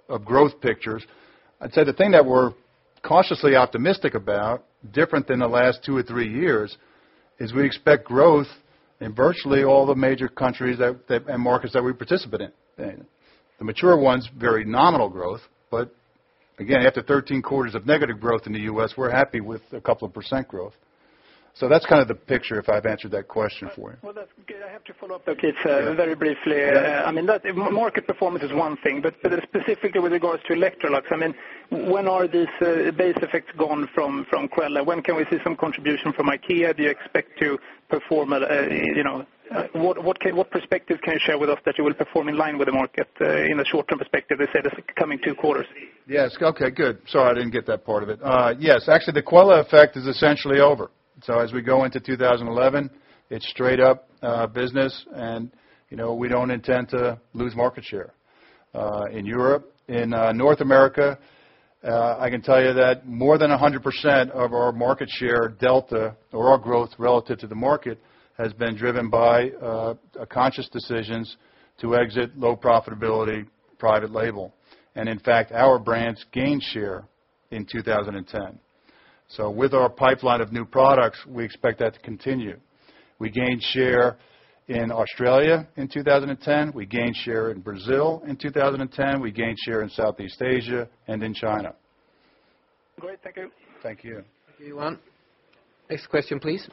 of growth pictures. I'd say the thing that we're cautiously optimistic about, different than the last two or three years, is we expect growth in virtually all the major countries that and markets that we participate in. The mature ones, very nominal growth, again, after 13 quarters of negative growth in the U.S., we're happy with a couple of % growth. That's kind of the picture, if I've answered that question for you. Well, that's good. I have to follow up, okay, very briefly. Yeah. I mean, that, market performance is one thing, but specifically with regards to Electrolux, I mean, when are these base effects gone from Quelle? When can we see some contribution from IKEA? Do you expect to perform at, you know, what perspective can you share with us that you will perform in line with the market in the short-term perspective, let's say, the coming two quarters? Yes. Okay, good. Sorry, I didn't get that part of it. Yes, actually, the Quelle effect is essentially over. As we go into 2011, it's straight up business and, you know, we don't intend to lose market share in Europe. In North America, I can tell you that more than 100% of our market share delta or our growth relative to the market, has been driven by a conscious decisions to exit low profitability, private label. In fact, our brands gained share in 2010. With our pipeline of new products, we expect that to continue. We gained share in Australia in 2010, we gained share in Brazil in 2010, we gained share in Southeast Asia and in China. Great. Thank you. Thank you. Thank you, Johan. Next question, please.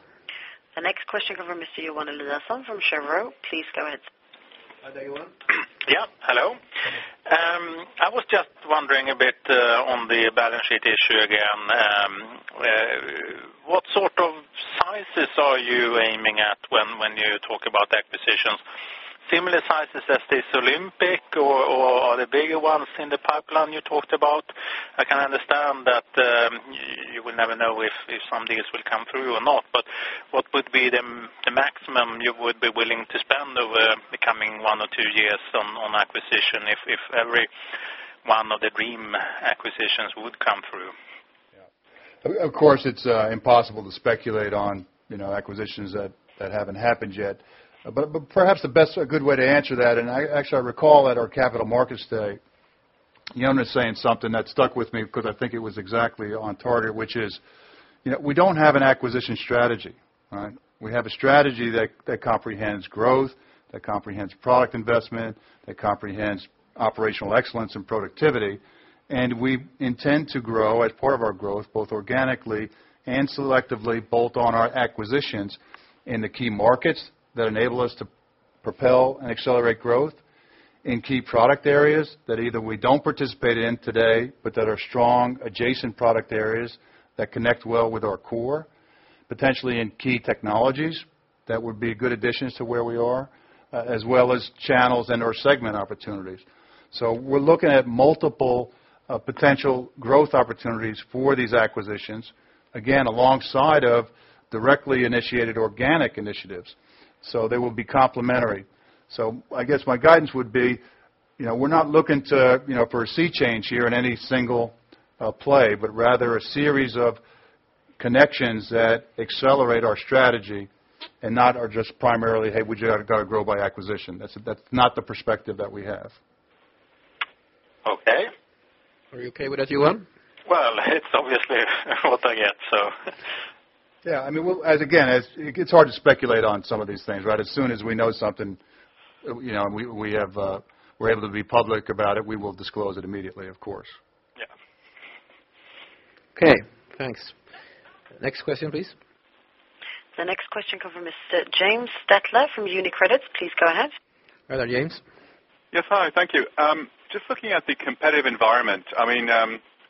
The next question come from Mr. Johan Lundelson from SEB. Please go ahead. Hi, there, Johan. Yeah. Hello. I was just wondering a bit on the balance sheet issue again. What sort of sizes are you aiming at when you talk about acquisitions? Similar sizes as this Olympic, or are there bigger ones in the pipeline you talked about? I can understand that you will never know if some deals will come through or not. What would be the maximum you would be willing to spend over the coming one or two years on acquisition, if every one of the dream acquisitions would come through? Yeah. Of course, it's impossible to speculate on, you know, acquisitions that haven't happened yet. Perhaps the best or good way to answer that, actually, I recall at our capital markets day, Jonas saying something that stuck with me because I think it was exactly on target, which is, you know, we don't have an acquisition strategy, right? We have a strategy that comprehends growth, that comprehends product investment, that comprehends operational excellence and productivity. We intend to grow as part of our growth, both organically and selectively, bolt on our acquisitions in the key markets that enable us to propel and accelerate growth. In key product areas that either we don't participate in today, but that are strong adjacent product areas that connect well with our core, potentially in key technologies that would be a good addition to where we are, as well as channels and/or segment opportunities. We're looking at multiple potential growth opportunities for these acquisitions, again, alongside of directly initiated organic initiatives. They will be complementary. I guess my guidance would be, you know, we're not looking to, you know, for a sea change here in any single play, but rather a series of connections that accelerate our strategy and not are just primarily, "Hey, we just gotta grow by acquisition." That's not the perspective that we have. Okay. Are you okay with that, Johan? Well, it's obviously not yet, so. Yeah, I mean, as again, as it gets hard to speculate on some of these things, right? As soon as we know something, you know, and we have, we're able to be public about it, we will disclose it immediately, of course. Yeah. Okay, thanks. Next question, please. The next question come from Mr. James Stettler, from UniCredit. Please go ahead. Hi there, James. Hi. Thank you. Just looking at the competitive environment, I mean,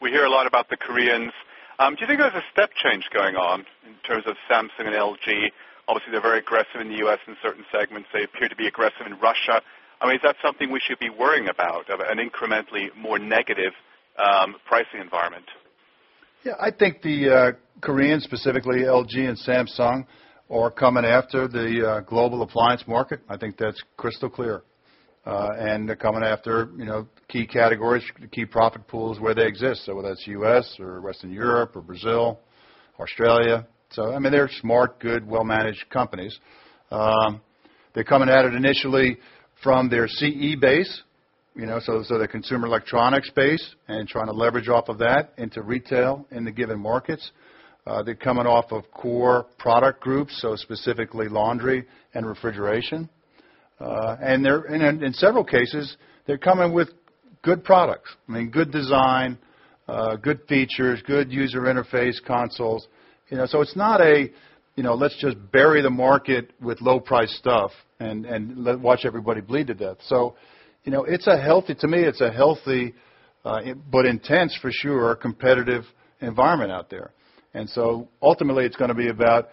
we hear a lot about the Koreans. Do you think there's a step change going on in terms of Samsung and LG? Obviously, they're very aggressive in the U.S. in certain segments. They appear to be aggressive in Russia. I mean, is that something we should be worrying about, of an incrementally more negative, pricing environment? I think the Koreans, specifically LG and Samsung, are coming after the global appliance market. I think that's crystal clear. They're coming after, you know, key categories, key profit pools where they exist. Whether that's US, or Western Europe, or Brazil, Australia. I mean, they're smart, good, well-managed companies. They're coming at it initially from their CE base, you know, the consumer electronics base, and trying to leverage off of that into retail in the given markets. They're coming off of core product groups, so specifically laundry and refrigeration. And in several cases, they're coming with good products. I mean, good design, good features, good user interface, consoles. You know, it's not a, you know, let's just bury the market with low price stuff and watch everybody bleed to death. You know, it's a healthy, to me, it's a healthy, but intense for sure, competitive environment out there. Ultimately, it's gonna be about,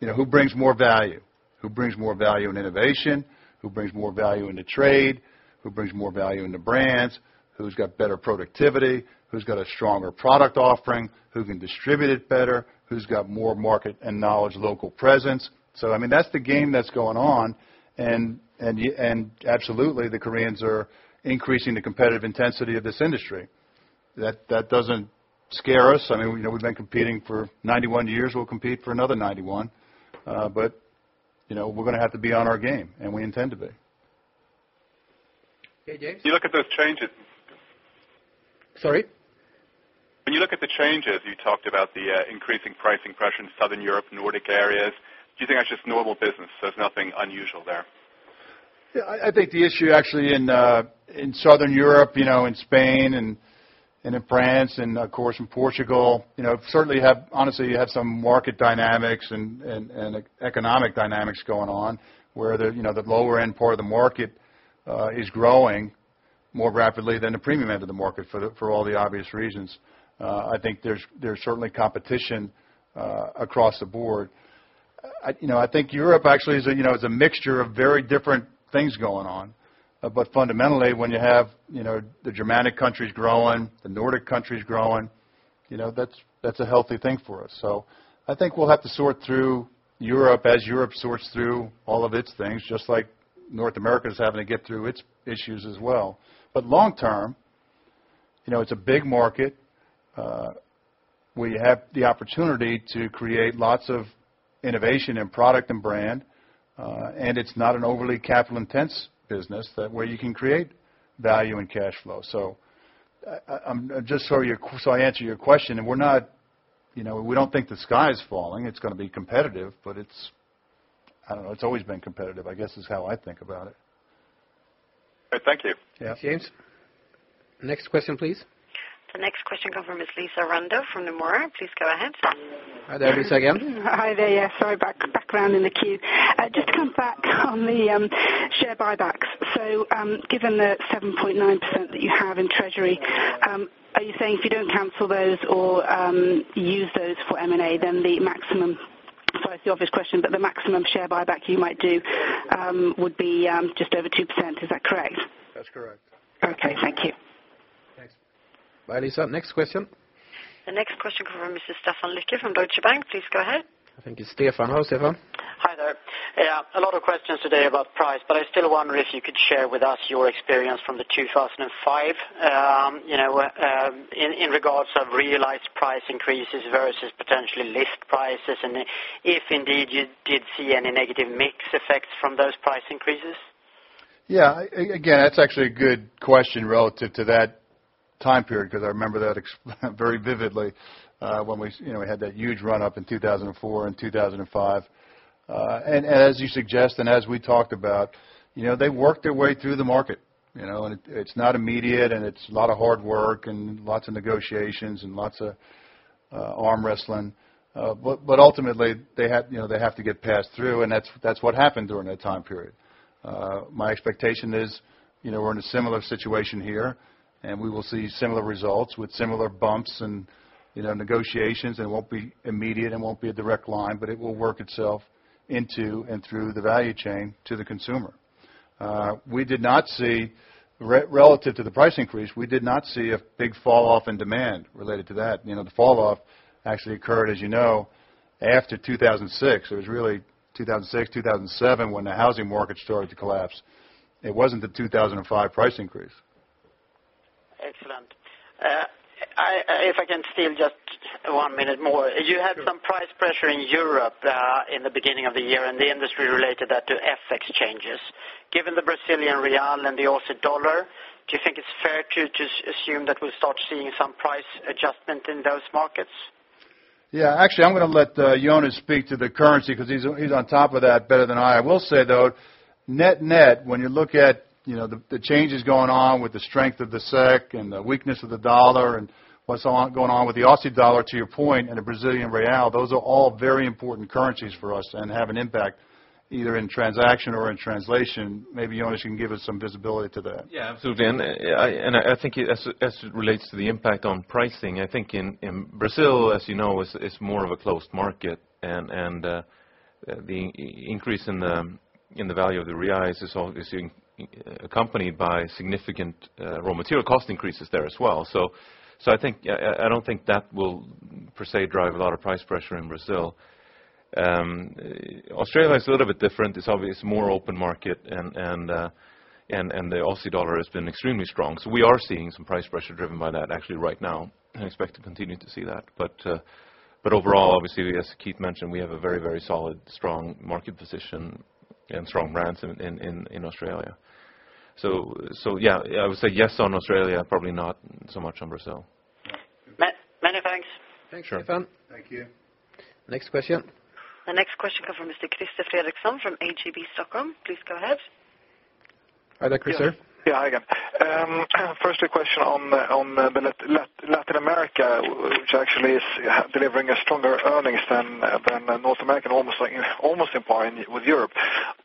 you know, who brings more value? Who brings more value in innovation? Who brings more value in the trade? Who brings more value in the brands? Who's got better productivity? Who's got a stronger product offering? Who can distribute it better? Who's got more market and knowledge, local presence? I mean, that's the game that's going on. Absolutely, the Koreans are increasing the competitive intensity of this industry. That doesn't scare us. I mean, you know, we've been competing for 91 years, we'll compete for another 91. You know, we're gonna have to be on our game, and we intend to be. Okay, James. When you look at those changes. Sorry? When you look at the changes, you talked about the increasing pricing pressure in Southern Europe, Nordic areas, do you think that's just normal business, there's nothing unusual there? Yeah, I think the issue actually in Southern Europe, you know, in Spain and in France, and, of course, in Portugal, you know, certainly honestly, you have some market dynamics and economic dynamics going on, where the, you know, the lower end part of the market is growing more rapidly than the premium end of the market for all the obvious reasons. I think there's certainly competition across the board. I, you know, I think Europe actually is a, you know, is a mixture of very different things going on. Fundamentally, when you have, you know, the Germanic countries growing, the Nordic countries growing, you know, that's a healthy thing for us. I think we'll have to sort through Europe as Europe sorts through all of its things, just like North America is having to get through its issues as well. Long term, you know, it's a big market. We have the opportunity to create lots of innovation in product and brand, and it's not an overly capital intense business that where you can create value and cash flow. I, just so I answer your question, and we're not, you know, we don't think the sky's falling. It's gonna be competitive, but it's, I don't know, it's always been competitive, I guess, is how I think about it. All right, thank you. Yeah. Thanks, James. Next question, please. The next question come from Ms. Lisa Randa from Nomura. Please go ahead. Hi there, Lisa, again. Hi there. Yeah, sorry, back around in the queue. just to come back on the share buybacks. given the 7.9% that you have in treasury, are you saying if you don't cancel those or use those for M&A, then sorry, it's the obvious question, but the maximum share buyback you might do would be just over 2%. Is that correct? That's correct. Okay. Thank you. Thanks. Bye, Lisa. Next question. The next question come from Mr. Stefan Lycke from Deutsche Bank. Please go ahead. Thank you, Stefan. Hello, Stefan. Hi there. Yeah, a lot of questions today about price. I still wonder if you could share with us your experience from the 2005, you know, in regards of realized price increases versus potentially list prices, and if indeed you did see any negative mix effects from those price increases? Yeah. Again, that's actually a good question relative to that time period, because I remember that very vividly, when we, you know, we had that huge run-up in 2004 and 2005. As you suggest and as we talked about, you know, they worked their way through the market, you know? It's not immediate, and it's a lot of hard work and lots of negotiations and lots of arm wrestling. Ultimately, they have, you know, they have to get passed through, and that's what happened during that time period. My expectation is, you know, we're in a similar situation here, and we will see similar results with similar bumps and, you know, negotiations. It won't be immediate, and won't be a direct line, but it will work itself into and through the value chain to the consumer. We did not see relative to the price increase, we did not see a big falloff in demand related to that. You know, the falloff actually occurred, as you know, after 2006. It was really 2006, 2007, when the housing market started to collapse. It wasn't the 2005 price increase. Excellent. If I can steal just one minute more. Sure. You had some price pressure in Europe, in the beginning of the year, and the industry related that to FX changes. Given the Brazilian real and the Aussie dollar, do you think it's fair to just assume that we'll start seeing some price adjustment in those markets? Yeah. Actually, I'm gonna let, Jonas speak to the currency, 'cause he's on top of that better than I. I will say, though, net-net, when you look at, you know, the changes going on with the strength of the SEK and the weakness of the dollar, and what's going on with the Aussie dollar, to your point, and the Brazilian real, those are all very important currencies for us and have an impact either in transaction or in translation. Maybe, Jonas, you can give us some visibility to that. Yeah, absolutely, I think as it relates to the impact on pricing, I think in Brazil, as you know, is more of a closed market. The increase in the value of the reais is also accompanied by significant raw material cost increases there as well. I think I don't think that will per se drive a lot of price pressure in Brazil. Australia is a little bit different. It's obvious more open market and the Aussie dollar has been extremely strong, we are seeing some price pressure driven by that, actually right now, and expect to continue to see that. Overall, obviously, as Keith mentioned, we have a very solid, strong market position and strong brands in Australia. Yeah, I would say yes, on Australia, probably not so much on Brazil. Many thanks. Thanks, Stefan. Thank you. Next question? The next question come from Mr. Christer Fredriksson from ABG Stockholm. Please go ahead. Hi there, Christer. Hi again. First a question on Latin America, which actually is delivering stronger earnings than North America, almost like, almost in par with Europe.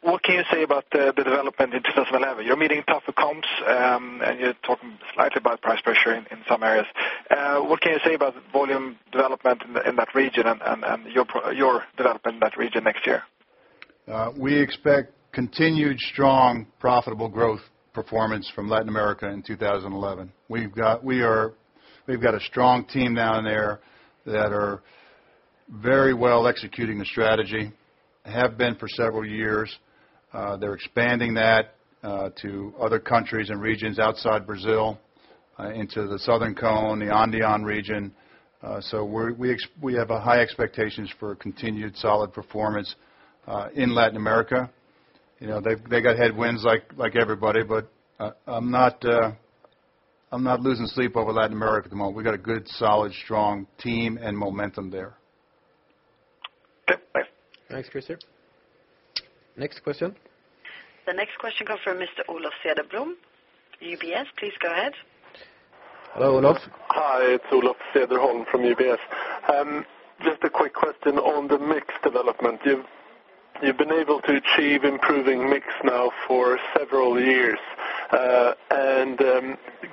What can you say about the development in 2011? You're meeting tougher comps, and you're talking slightly about price pressure in some areas. What can you say about volume development in that region and your development in that region next year? We expect continued strong, profitable growth performance from Latin America in 2011. We've got a strong team down there that are very well executing the strategy and have been for several years. They're expanding that to other countries and regions outside Brazil, into the Southern Cone, the Andean region. We have a high expectations for continued solid performance in Latin America. You know, they got headwinds like everybody, I'm not losing sleep over Latin America at the moment. We got a good, solid, strong team and momentum there. Okay, bye. Thanks, Christer. Next question? The next question comes from Mr. Olof Cederholm, UBS. Please go ahead. Hello, Olof. Hi, it's Olof Cederholm from UBS. Just a quick question on the mix development. You've been able to achieve improving mix now for several years.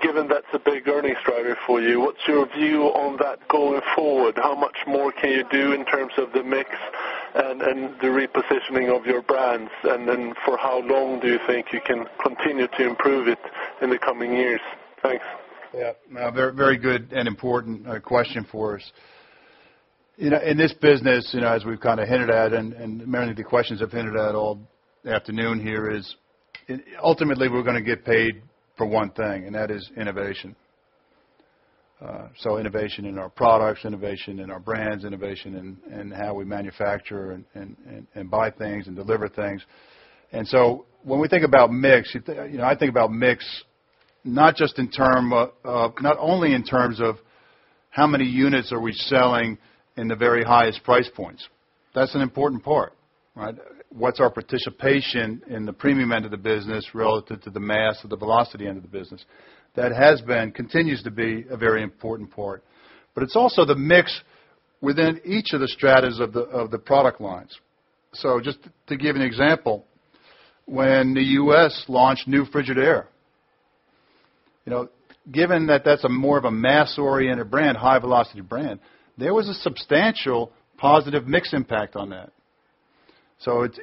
Given that's a big earnings driver for you, what's your view on that going forward? How much more can you do in terms of the mix and the repositioning of your brands? For how long do you think you can continue to improve it in the coming years? Thanks. Yeah. Very, very good and important question for us. You know, in this business, you know, as we've kind of hinted at, and many of the questions have hinted at all afternoon here, is ultimately, we're gonna get paid for one thing, and that is innovation. Innovation in our products, innovation in our brands, innovation in how we manufacture and buy things and deliver things. When we think about mix, you know, I think about mix, not just in terms of not only in terms of how many units are we selling in the very highest price points. That's an important part, right? What's our participation in the premium end of the business, relative to the mass or the velocity end of the business? That has been, continues to be, a very important part. It's also the mix within each of the stratas of the, of the product lines. Just to give an example, when the US launched new Frigidaire, you know, given that that's a more of a mass-oriented brand, high-velocity brand, there was a substantial positive mix impact on that.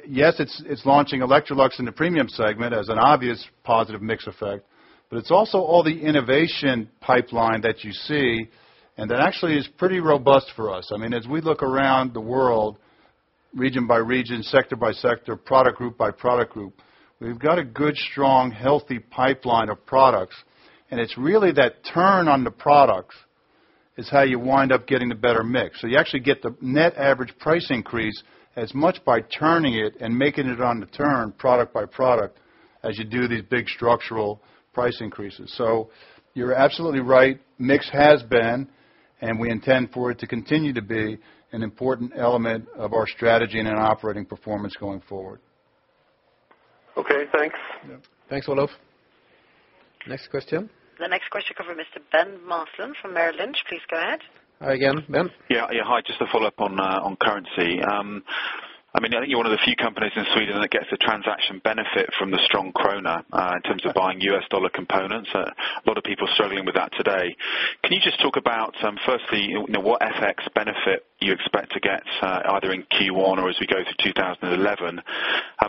Yes, it's launching Electrolux in the premium segment as an obvious positive mix effect, but it's also all the innovation pipeline that you see, and that actually is pretty robust for us. I mean, as we look around the world, region by region, sector by sector, product group by product group, we've got a good, strong, healthy pipeline of products, and it's really that turn on the products, is how you wind up getting a better mix. You actually get the net average price increase as much by turning it and making it on the turn, product by product, as you do these big structural price increases. You're absolutely right, mix has been, and we intend for it to continue to be, an important element of our strategy and our operating performance going forward. Okay, thanks. Yeah. Thanks, Olof. Next question. The next question comes from Mr. Ben Maslen from Merrill Lynch. Please go ahead. Hi, again, Ben. Yeah. Yeah, hi, just to follow up on currency. I mean, I think you're one of the few companies in Sweden that gets a transaction benefit from the strong krona, in terms of buying US dollar components. A lot of people are struggling with that today. Can you just talk about, firstly, you know, what FX benefit you expect to get, either in Q1 or as we go through 2011?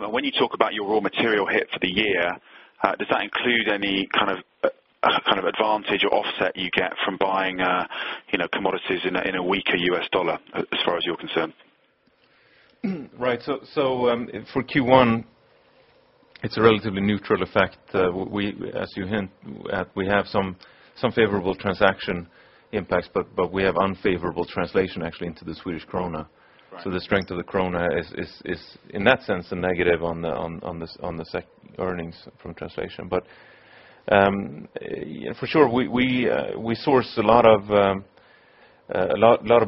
When you talk about your raw material hit for the year, does that include any kind of advantage or offset you get from buying, you know, commodities in a weaker U.S. dollar, as far as you're concerned? Right. For Q1, it's a relatively neutral effect. We, as you hint at, we have some favorable transaction impacts, but we have unfavorable translation, actually, into the Swedish krona. Right. The strength of the SEK is, in that sense, a negative on the earnings from translation. Yeah, for sure, we source a lot of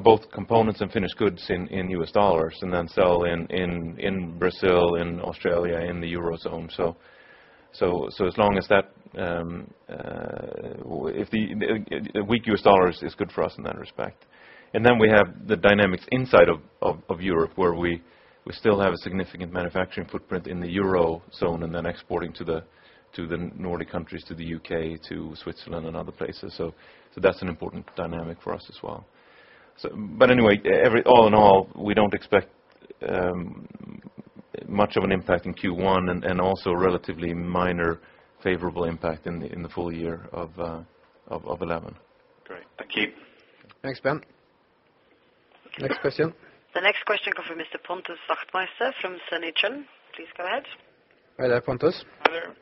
both components and finished goods in USD, and then sell in Brazil, in Australia, in the Eurozone. As long as that, a weak USD is good for us in that respect. Then we have the dynamics inside of Europe, where we still have a significant manufacturing footprint in the Eurozone, and then exporting to the Nordic countries, to the U.K., to Switzerland, and other places. That's an important dynamic for us as well. Anyway, all in all, we don't expect much of an impact in Q1, and also a relatively minor favorable impact in the, in the full year of 2011. Great. Thank you. Thanks, Ben. Next question? The next question comes from Mr. Pontus Wachtmeister from SEB. Please go ahead. Hi there, Pontus. Hi, there.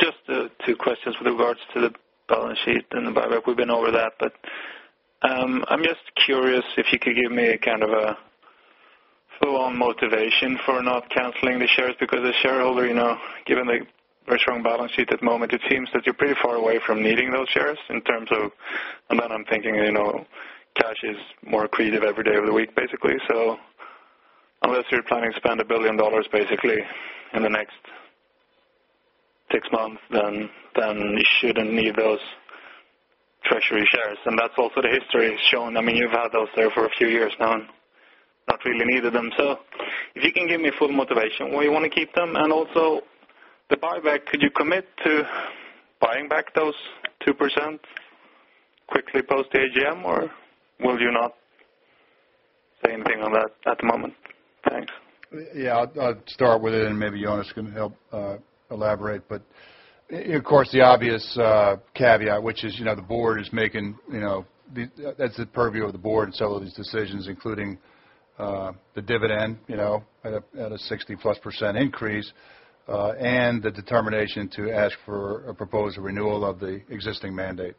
Just two questions with regards to the balance sheet and the buyback. We've been over that. I'm just curious if you could give me a kind of a full-on motivation for not canceling the shares. As shareholder, you know, given the very strong balance sheet at the moment, it seems that you're pretty far away from needing those shares in terms of... I'm thinking, you know, cash is more accretive every day of the week, basically. Unless you're planning to spend $1 billion, basically, in the next six months, then you shouldn't need those treasury shares. That's also the history has shown. I mean, you've had those there for a few years now and not really needed them. If you can give me a full motivation, why you want to keep them? Also, the buyback, could you commit to buying back those 2% quickly post-AGM, or will you not say anything on that at the moment? Thanks. Yeah, I'll start with it, and maybe Jonas can help elaborate. Of course, the obvious caveat, which is, you know, the board is making, you know, That's the purview of the board in some of these decisions, including the dividend, you know, at a 60%+ increase, and the determination to ask for a proposed renewal of the existing mandate.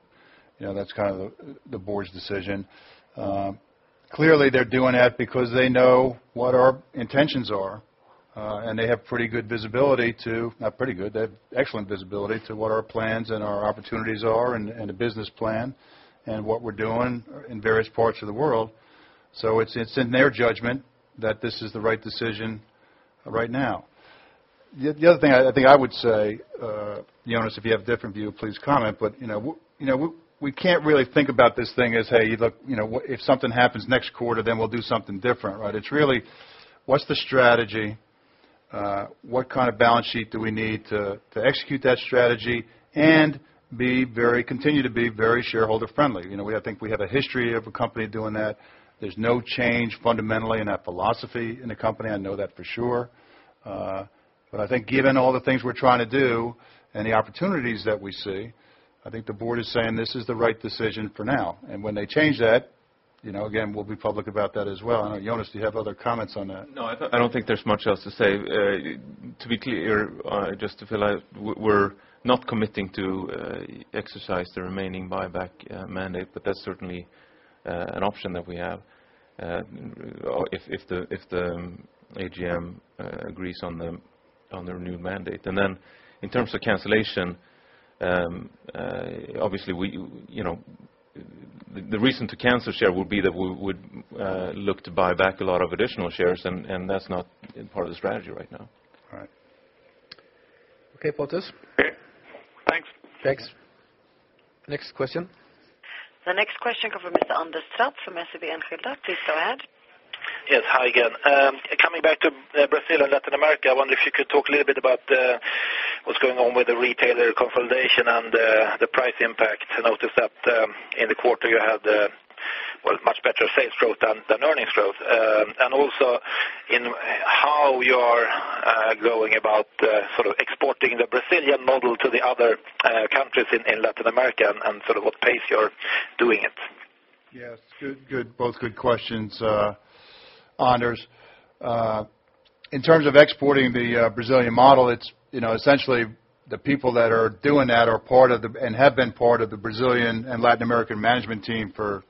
You know, that's kind of the board's decision. Clearly, they're doing that because they know what our intentions are. They have pretty good visibility to, not pretty good, they have excellent visibility to what our plans and our opportunities are, and the business plan, and what we're doing in various parts of the world. It's in their judgment that this is the right decision right now. The other thing I think I would say, Jonas, if you have a different view, please comment, but, you know, we can't really think about this thing as, hey, look, if something happens next quarter, then we'll do something different, right? It's really, what's the strategy? What kind of balance sheet do we need to execute that strategy and continue to be very shareholder-friendly? You know, I think we have a history of a company doing that. There's no change fundamentally in that philosophy in the company, I know that for sure. I think given all the things we're trying to do and the opportunities that we see, I think the board is saying this is the right decision for now. When they change that, you know, again, we'll be public about that as well. I know, Jonas, do you have other comments on that? No, I don't, I don't think there's much else to say. To be clear, just to fill out, we're not committing to exercise the remaining buyback mandate, but that's certainly an option that we have. If the AGM agrees on the renewed mandate. Then in terms of cancellation, obviously, we, you know, the reason to cancel share would be that we would look to buy back a lot of additional shares. That's not part of the strategy right now. All right. Okay, Pontus? Okay. Thanks. Thanks. Next question. The next question come from Mr. Anders Trapp, from SEB Enskilda. Please go ahead. Yes, hi again. Coming back to Brazil and Latin America, I wonder if you could talk a little bit about what's going on with the retailer consolidation and the price impact. I noticed that, in the quarter, you had, well, much better sales growth than earnings growth. Also in how you are going about sort of exporting the Brazilian model to the other countries in Latin America, and sort of what pace you're doing it? Yes, good. Both good questions, Anders. In terms of exporting the Brazilian model, it's, you know, essentially the people that are doing that are part of the, and have been part of the Brazilian and Latin American management team for...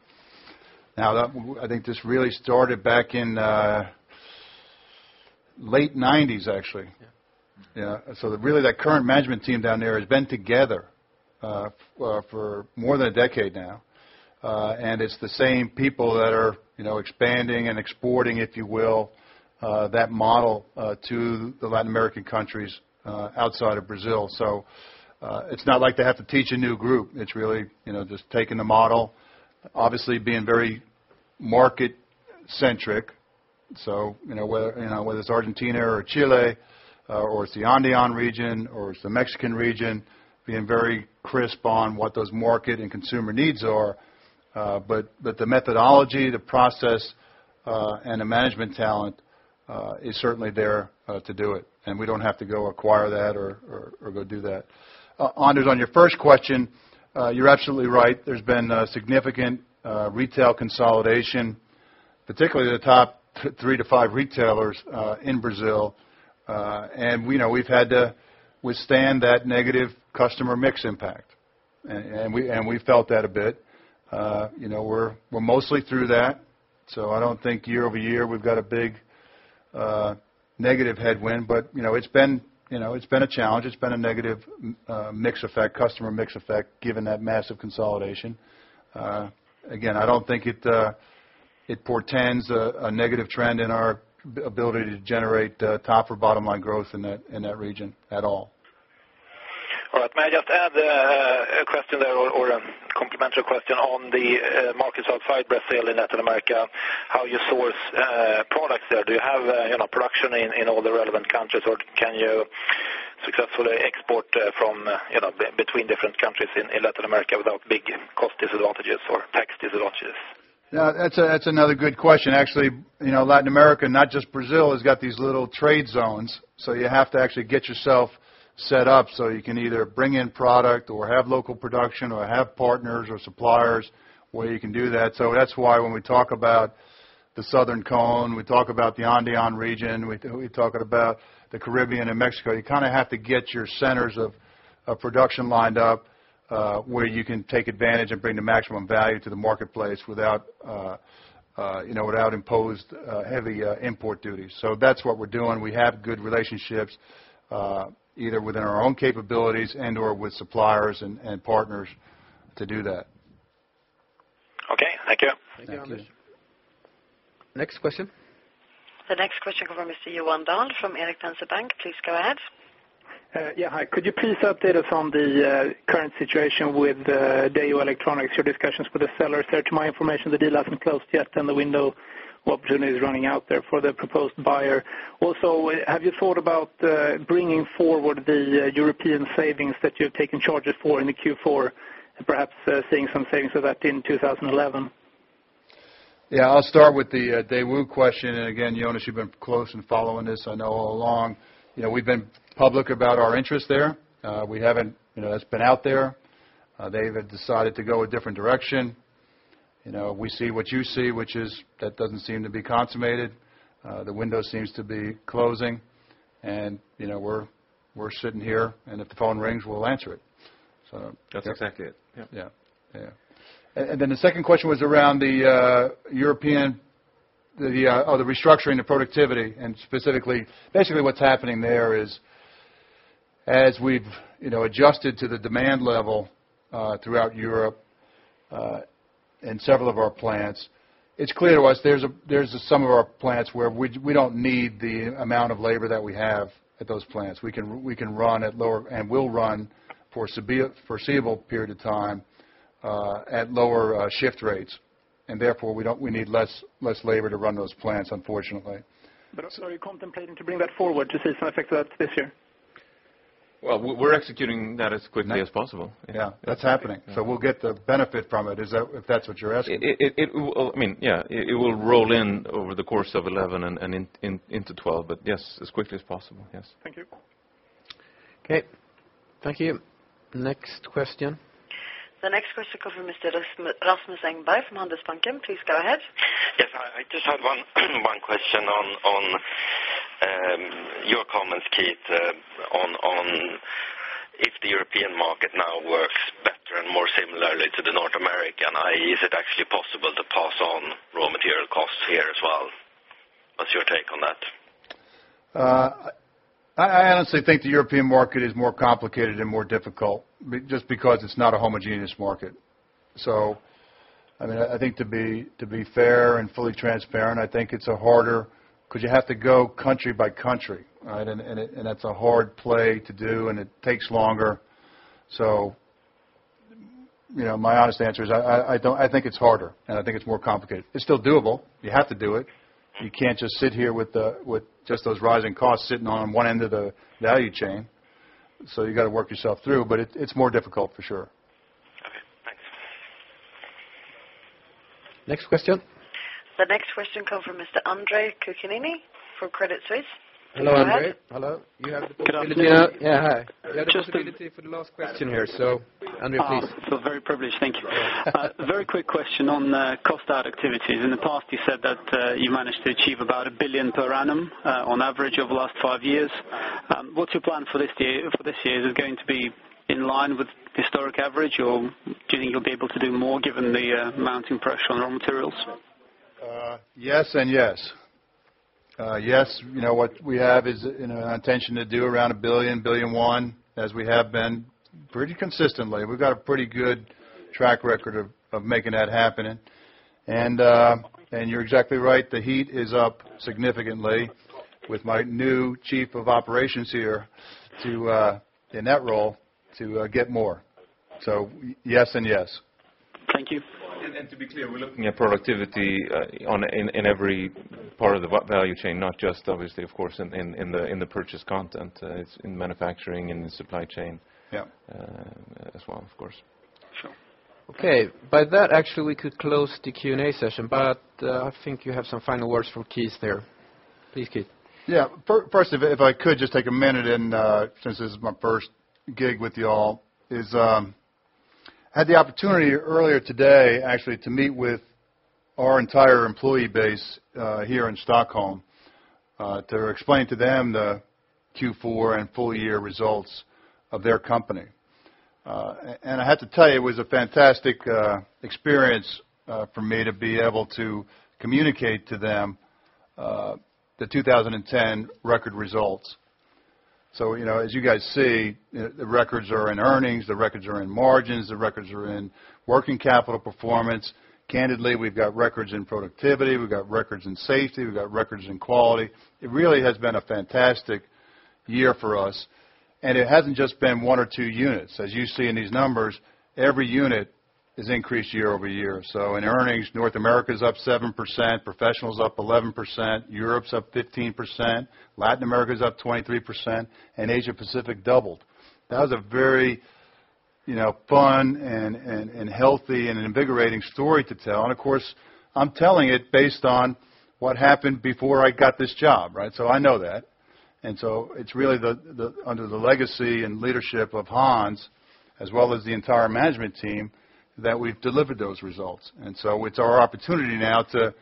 Now, that, I think this really started back in late 1990s, actually. Yeah. Really, that current management team down there has been together for more than 10 years now. It's the same people that are, you know, expanding and exporting, if you will, that model to the Latin American countries outside of Brazil. It's not like they have to teach a new group. It's really, you know, just taking the model, obviously being very market-centric. You know, whether, you know, whether it's Argentina or Chile, or it's the Andean region, or it's the Mexican region, being very crisp on what those market and consumer needs are. But the methodology, the process, and the management talent is certainly there to do it, and we don't have to go acquire that or go do that. Anders, on your first question, you're absolutely right. There's been a significant retail consolidation, particularly the top three to five retailers in Brazil. We know, we've had to withstand that negative customer mix impact. We felt that a bit. You know, we're mostly through that, so I don't think year-over-year, we've got a big negative headwind, but, you know, it's been, you know, it's been a challenge. It's been a negative mix effect, customer mix effect, given that massive consolidation. I don't think it portends a negative trend in our ability to generate top or bottom-line growth in that, in that region at all. All right. May I just add a question there, or a complimentary question on the markets outside Brazil in Latin America, how you source products there? Do you have production in all the relevant countries, or can you successfully export from, you know, between different countries in Latin America without big cost disadvantages or tax disadvantages? Yeah, that's another good question. Actually, you know, Latin America, not just Brazil, has got these little trade zones, so you have to actually get yourself set up so you can either bring in product or have local production or have partners or suppliers where you can do that. That's why when we talk about the Southern Cone, we talk about the Andean region, we talking about the Caribbean and Mexico, you kind of have to get your centers of production lined up where you can take advantage and bring the maximum value to the marketplace without, you know, without imposed heavy import duties. That's what we're doing. We have good relationships either within our own capabilities and/or with suppliers and partners to do that. Okay. Thank you. Thank you, Anders. Thank you. Next question? The next question come from Mr. Johan Dahl from Erik Penser Bank. Please go ahead. Yeah, hi. Could you please update us on the current situation with Daewoo Electronics, your discussions with the sellers there? To my information, the deal hasn't closed yet, and the window of opportunity is running out there for the proposed buyer. Have you thought about bringing forward the European savings that you've taken charges for in the Q4, and perhaps seeing some savings of that in 2011? Yeah, I'll start with the Daewoo question. Again, Jonas, you've been close in following this, I know, all along. You know, we've been public about our interest there. You know, that's been out there. They have decided to go a different direction. You know, we see what you see, which is, that doesn't seem to be consummated. The window seems to be closing, and, you know, we're sitting here, and if the phone rings, we'll answer it. That's exactly it. Yep. Yeah. Yeah. Then the second question was around the European or the restructuring, the productivity, basically, what's happening there is, as we've, you know, adjusted to the demand level throughout Europe, in several of our plants, it's clear to us there's some of our plants where we don't need the amount of labor that we have at those plants. We can run at lower. We'll run for a foreseeable period of time at lower shift rates, and therefore, we need less labor to run those plants, unfortunately. Also, are you contemplating to bring that forward to see some effect to that this year? Well, we're executing that as quickly as possible. Yeah, that's happening. We'll get the benefit from it. Is that, if that's what you're asking? It, well, I mean, yeah, it will roll in over the course of 2011 and into 2012. Yes, as quickly as possible. Yes. Thank you. Okay. Thank you. Next question. The next question come from Mr. Rasmus Engberg from Nordea Bank. Please go ahead. Yes, I just had one question on your comments, Keith, on if the European market now works better and more similarly to the North American. I.e., is it actually possible to pass on raw material costs here as well? What's your take on that? I honestly think the European market is more complicated and more difficult just because it's not a homogeneous market. I mean, I think to be fair and fully transparent, I think it's a harder. 'Cause you have to go country by country, right? And that's a hard play to do, and it takes longer. You know, my honest answer is I don't. I think it's harder, and I think it's more complicated. It's still doable. You have to do it. You can't just sit here with the, with just those rising costs sitting on one end of the value chain, so you gotta work yourself through, but it's more difficult, for sure. Okay, thanks. Next question. The next question come from Mr. Andre Kukhnin from Credit Suisse. Hello, Andre. Hello. You have the- Good afternoon. Yeah, hi. Just- You have the possibility for the last question here. Andre, please. I feel very privileged. Thank you. Very quick question on cost out activities. In the past, you said that you managed to achieve about 1 billion per annum on average over the last five years. What's your plan for this year? Is it going to be in line with historic average, or do you think you'll be able to do more, given the mounting pressure on raw materials? Yes and yes. Yes, you know, what we have is, you know, an intention to do around 1 billion, SEK 1.1 billion, as we have been pretty consistently. We've got a pretty good track record of making that happen. You're exactly right, the heat is up significantly with my new Chief of Operations here to in that role to get more. Yes, and yes. Thank you. To be clear, we're looking at productivity, on, in every part of the value chain, not just obviously, of course, in the purchase content. It's in manufacturing, in the supply chain... Yeah as well, of course. Sure. Okay. By that, actually, we could close the Q&A session. I think you have some final words from Keith there. Please, Keith. Yeah. First, if I could just take a minute and since this is my first gig with y'all, is I had the opportunity earlier today, actually, to meet with our entire employee base here in Stockholm to explain to them the Q4 and full year results of their company. I have to tell you, it was a fantastic experience for me to be able to communicate to them the 2010 record results. You know, as you guys see, the records are in earnings, the records are in margins, the records are in working capital performance. Candidly, we've got records in productivity, we've got records in safety, we've got records in quality. It really has been a fantastic year for us, and it hasn't just been one or two units. As you see in these numbers, every unit has increased year-over-year. In earnings, North America is up 7%, Professional is up 11%, Europe's up 15%, Latin America is up 23%, and Asia Pacific doubled. That was a very, you know, fun and healthy and an invigorating story to tell. Of course, I'm telling it based on what happened before I got this job, right? I know that. It's really the under the legacy and leadership of Hans, as well as the entire management team, that we've delivered those results. It's our opportunity now to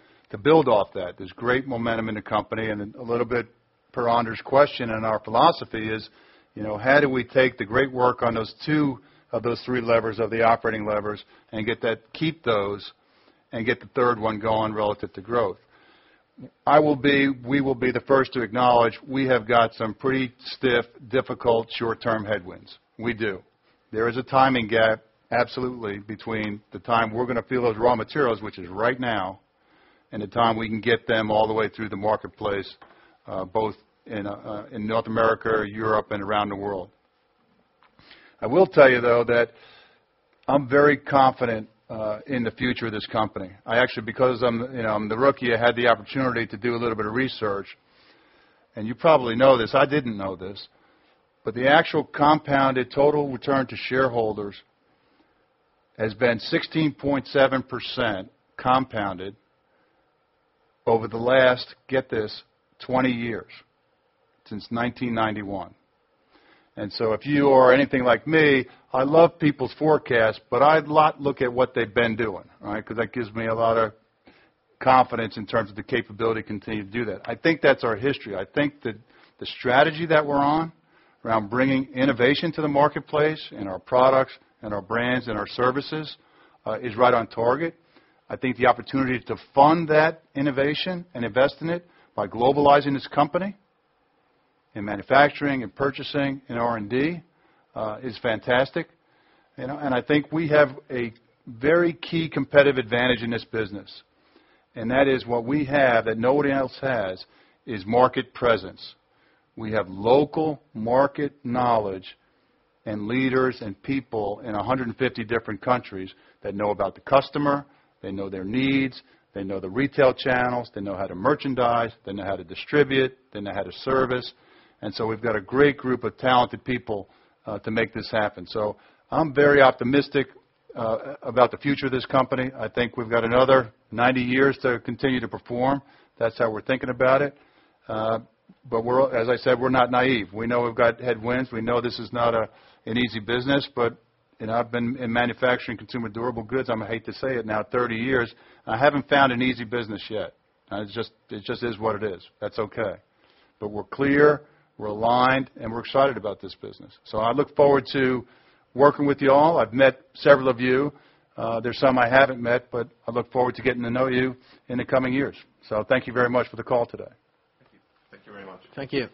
build off that. There's great momentum in the company, and a little bit per Andre's question and our philosophy is, you know, how do we take the great work on those two of those three levers of the operating levers and get that, keep those, and get the third one going relative to growth? We will be the first to acknowledge, we have got some pretty stiff, difficult, short-term headwinds. We do. There is a timing gap, absolutely, between the time we're gonna feel those raw materials, which is right now, and the time we can get them all the way through the marketplace, both in North America, Europe, and around the world. I will tell you, though, that I'm very confident in the future of this company. I actually, because I'm, you know, I'm the rookie, I had the opportunity to do a little bit of research, and you probably know this. I didn't know this, but the actual compounded total return to shareholders has been 16.7% compounded over the last, get this, 20 years, since 1991. If you are anything like me, I love people's forecasts, but I lot look at what they've been doing, right? 'Cause that gives me a lot of confidence in terms of the capability to continue to do that. I think that's our history. I think that the strategy that we're on around bringing innovation to the marketplace and our products and our brands and our services is right on target. I think the opportunity to fund that innovation and invest in it by globalizing this company, in manufacturing, in purchasing, in R&D, is fantastic. You know, I think we have a very key competitive advantage in this business, and that is what we have that nobody else has, is market presence. We have local market knowledge and leaders and people in 150 different countries that know about the customer, they know their needs, they know the retail channels, they know how to merchandise, they know how to distribute, they know how to service, and so we've got a great group of talented people to make this happen. I'm very optimistic about the future of this company. I think we've got another 90 years to continue to perform. That's how we're thinking about it. We're, as I said, we're not naive. We know we've got headwinds. We know this is not an easy business, but, you know, I've been in manufacturing consumer durable goods, I'm gonna hate to say it now, 30 years, and I haven't found an easy business yet. It just is what it is. That's okay. We're clear, we're aligned, and we're excited about this business. I look forward to working with you all. I've met several of you. There's some I haven't met, but I look forward to getting to know you in the coming years. Thank you very much for the call today. Thank you. Thank you very much. Thank you.